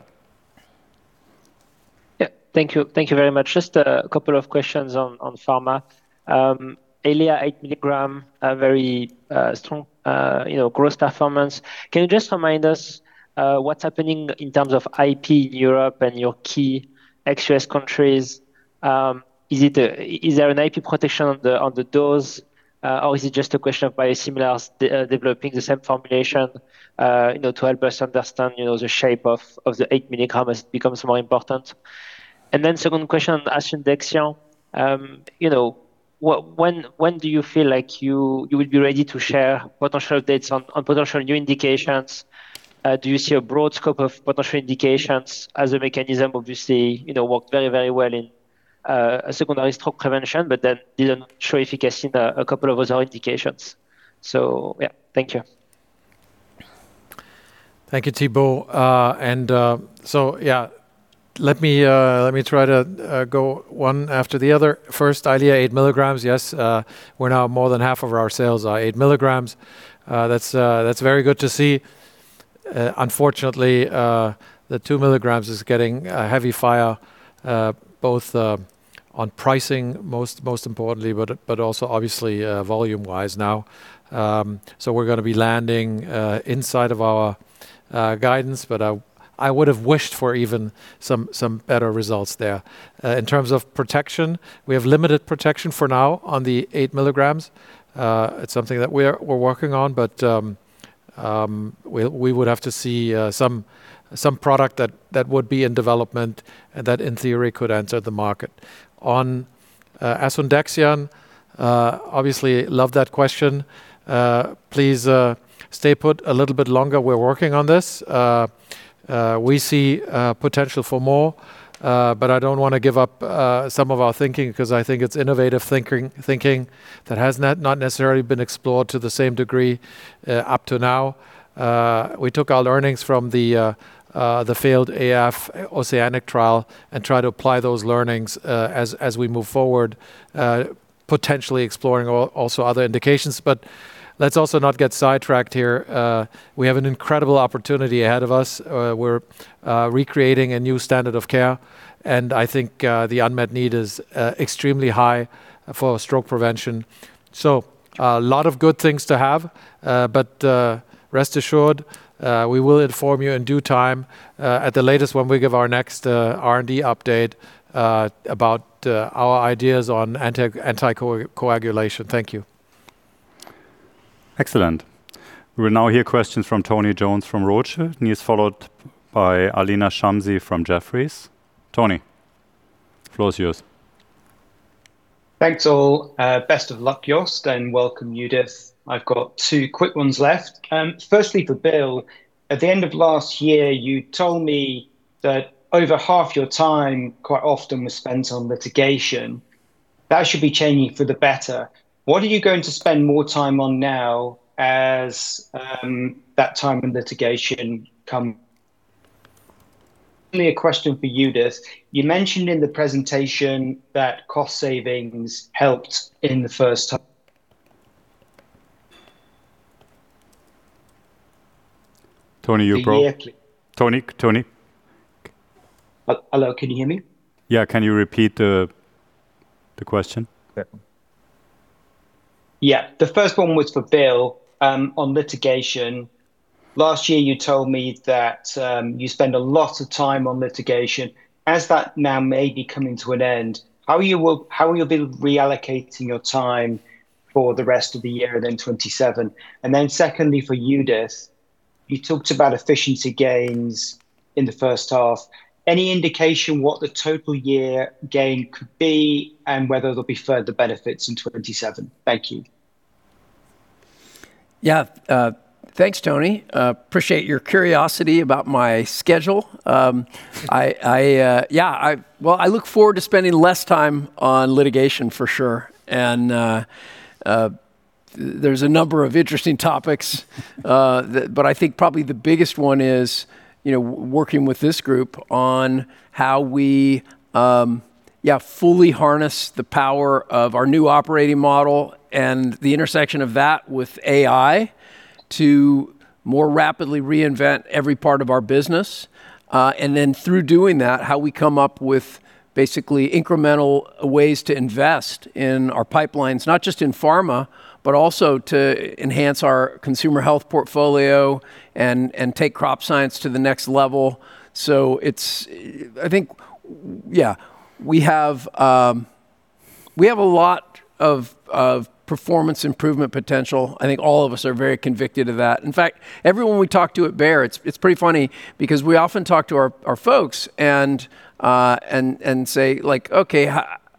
Thank you. Thank you very much. Just a couple of questions on pharma. EYLEA 8 mg, a very strong growth performance. Can you just remind us what's happening in terms of IP in Europe and your key excess countries? Is there an IP protection on the dose, or is it just a question of biosimilars developing the same formulation to help us understand the shape of the 8 mg becomes more important? Second question on asundexian. When do you feel like you will be ready to share potential updates on potential new indications? Do you see a broad scope of potential indications as a mechanism? Obviously, worked very well in secondary stroke prevention, didn't show efficacy in a couple of other indications. Thank you. Thank you, Thibault. Let me try to go one after the other. First, EYLEA 8 mg. Yes, we're now more than half of our sales are 8 mg. That's very good to see. Unfortunately, the 2 mg is getting heavy fire both on pricing most importantly, also obviously volume wise now. We're going to be landing inside of our guidance, I would have wished for even some better results there. In terms of protection, we have limited protection for now on the 8 mg. It's something that we're working on, We would have to see some product that would be in development that in theory could enter the market. On asundexian, obviously love that question. Please stay put a little bit longer. We're working on this. We see potential for more, I don't want to give up some of our thinking, because I think it's innovative thinking that has not necessarily been explored to the same degree up to now. We took our learnings from the failed OCEANIC-AF trial and try to apply those learnings as we move forward, potentially exploring also other indications. Let's also not get sidetracked here. We have an incredible opportunity ahead of us. We're recreating a new standard of care, and I think the unmet need is extremely high for stroke prevention. A lot of good things to have. Rest assured, we will inform you in due time, at the latest when we give our next R&D update about our ideas on anticoagulation. Thank you. Excellent. We will now hear questions from Tony Jones from Rothschild. He's followed by Elena Shamsi from Jefferies. Tony, floor is yours. Thanks, all. Best of luck, Jost, and welcome, Judith. I've got two quick ones left. Firstly, for Bill, at the end of last year, you told me that over half your time quite often was spent on litigation. That should be changing for the better. What are you going to spend more time on now as that time in litigation come A question for Judith. You mentioned in the presentation that cost savings helped in the first. Tony, you broke. Nearly. Tony? Hello, can you hear me? Yeah. Can you repeat the question? Yeah. The first one was for Bill, on litigation. Last year you told me that you spend a lot of time on litigation. As that now may be coming to an end, how will you be reallocating your time for the rest of the year and then 2027? Secondly, for Judith, you talked about efficiency gains in the first half. Any indication what the total year gain could be and whether there will be further benefits in 2027? Thank you. Yeah. Thanks, Tony. Appreciate your curiosity about my schedule. I look forward to spending less time on litigation for sure. There's a number of interesting topics, but I think probably the biggest one is working with this group on how we fully harness the power of our new operating model and the intersection of that with AI to more rapidly reinvent every part of our business. Through doing that, how we come up with basically incremental ways to invest in our pipelines, not just in pharma, but also to enhance our Consumer Health portfolio and take Crop Science to the next level. We have a lot of performance improvement potential. I think all of us are very convicted of that. In fact, everyone we talk to at Bayer, it is pretty funny because we often talk to our folks and say, "Okay,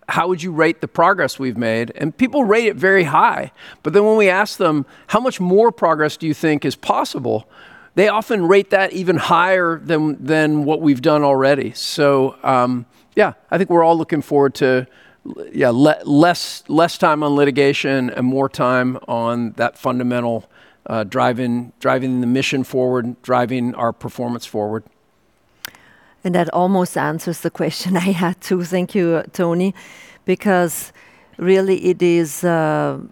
how would you rate the progress we have made?" People rate it very high. When we ask them, "How much more progress do you think is possible?" They often rate that even higher than what we have done already. I think we are all looking forward to less time on litigation and more time on that fundamental driving the mission forward, driving our performance forward. That almost answers the question I had too. Thank you, Tony. Really it is the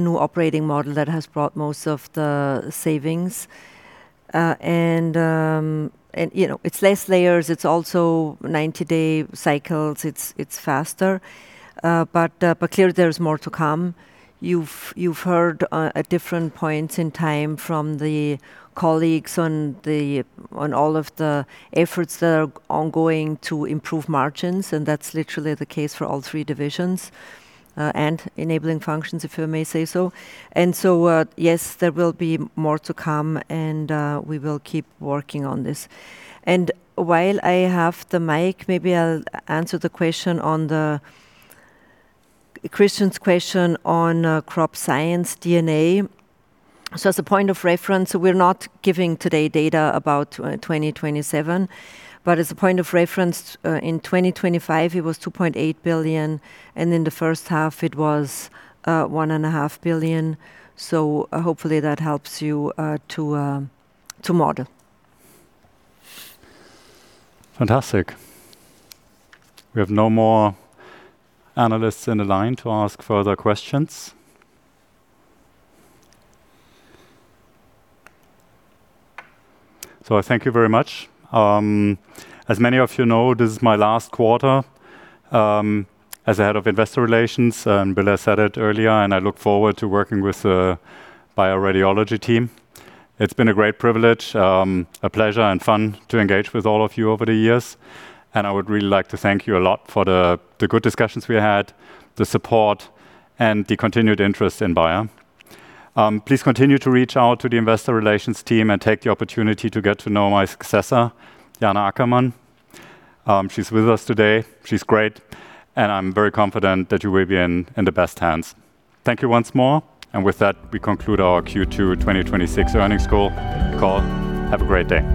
new operating model that has brought most of the savings. It is less layers. It is also 90-day cycles. It is faster. Clearly there is more to come. You have heard at different points in time from the colleagues on all of the efforts that are ongoing to improve margins, and that is literally the case for all three divisions, and enabling functions, if I may say so. Yes, there will be more to come and we will keep working on this. While I have the mic, maybe I will answer Christian's question on Crop Science D&A. As a point of reference, we are not giving today data about 2027. As a point of reference, in 2025 it was 2.8 billion, and in the first half it was 1.5 billion. Hopefully that helps you to model. Fantastic. We have no more analysts in the line to ask further questions. I thank you very much. As many of you know, this is my last quarter as the Head of Investor Relations, and Bill has said it earlier, I look forward to working with the Bayer Radiology team. It has been a great privilege, a pleasure, and fun to engage with all of you over the years, I would really like to thank you a lot for the good discussions we had, the support, and the continued interest in Bayer. Please continue to reach out to the investor relations team and take the opportunity to get to know my successor, Jana Ackermann. She is with us today. She is great, I am very confident that you will be in the best hands. Thank you once more. With that, we conclude our Q2 2026 earnings call. Have a great day.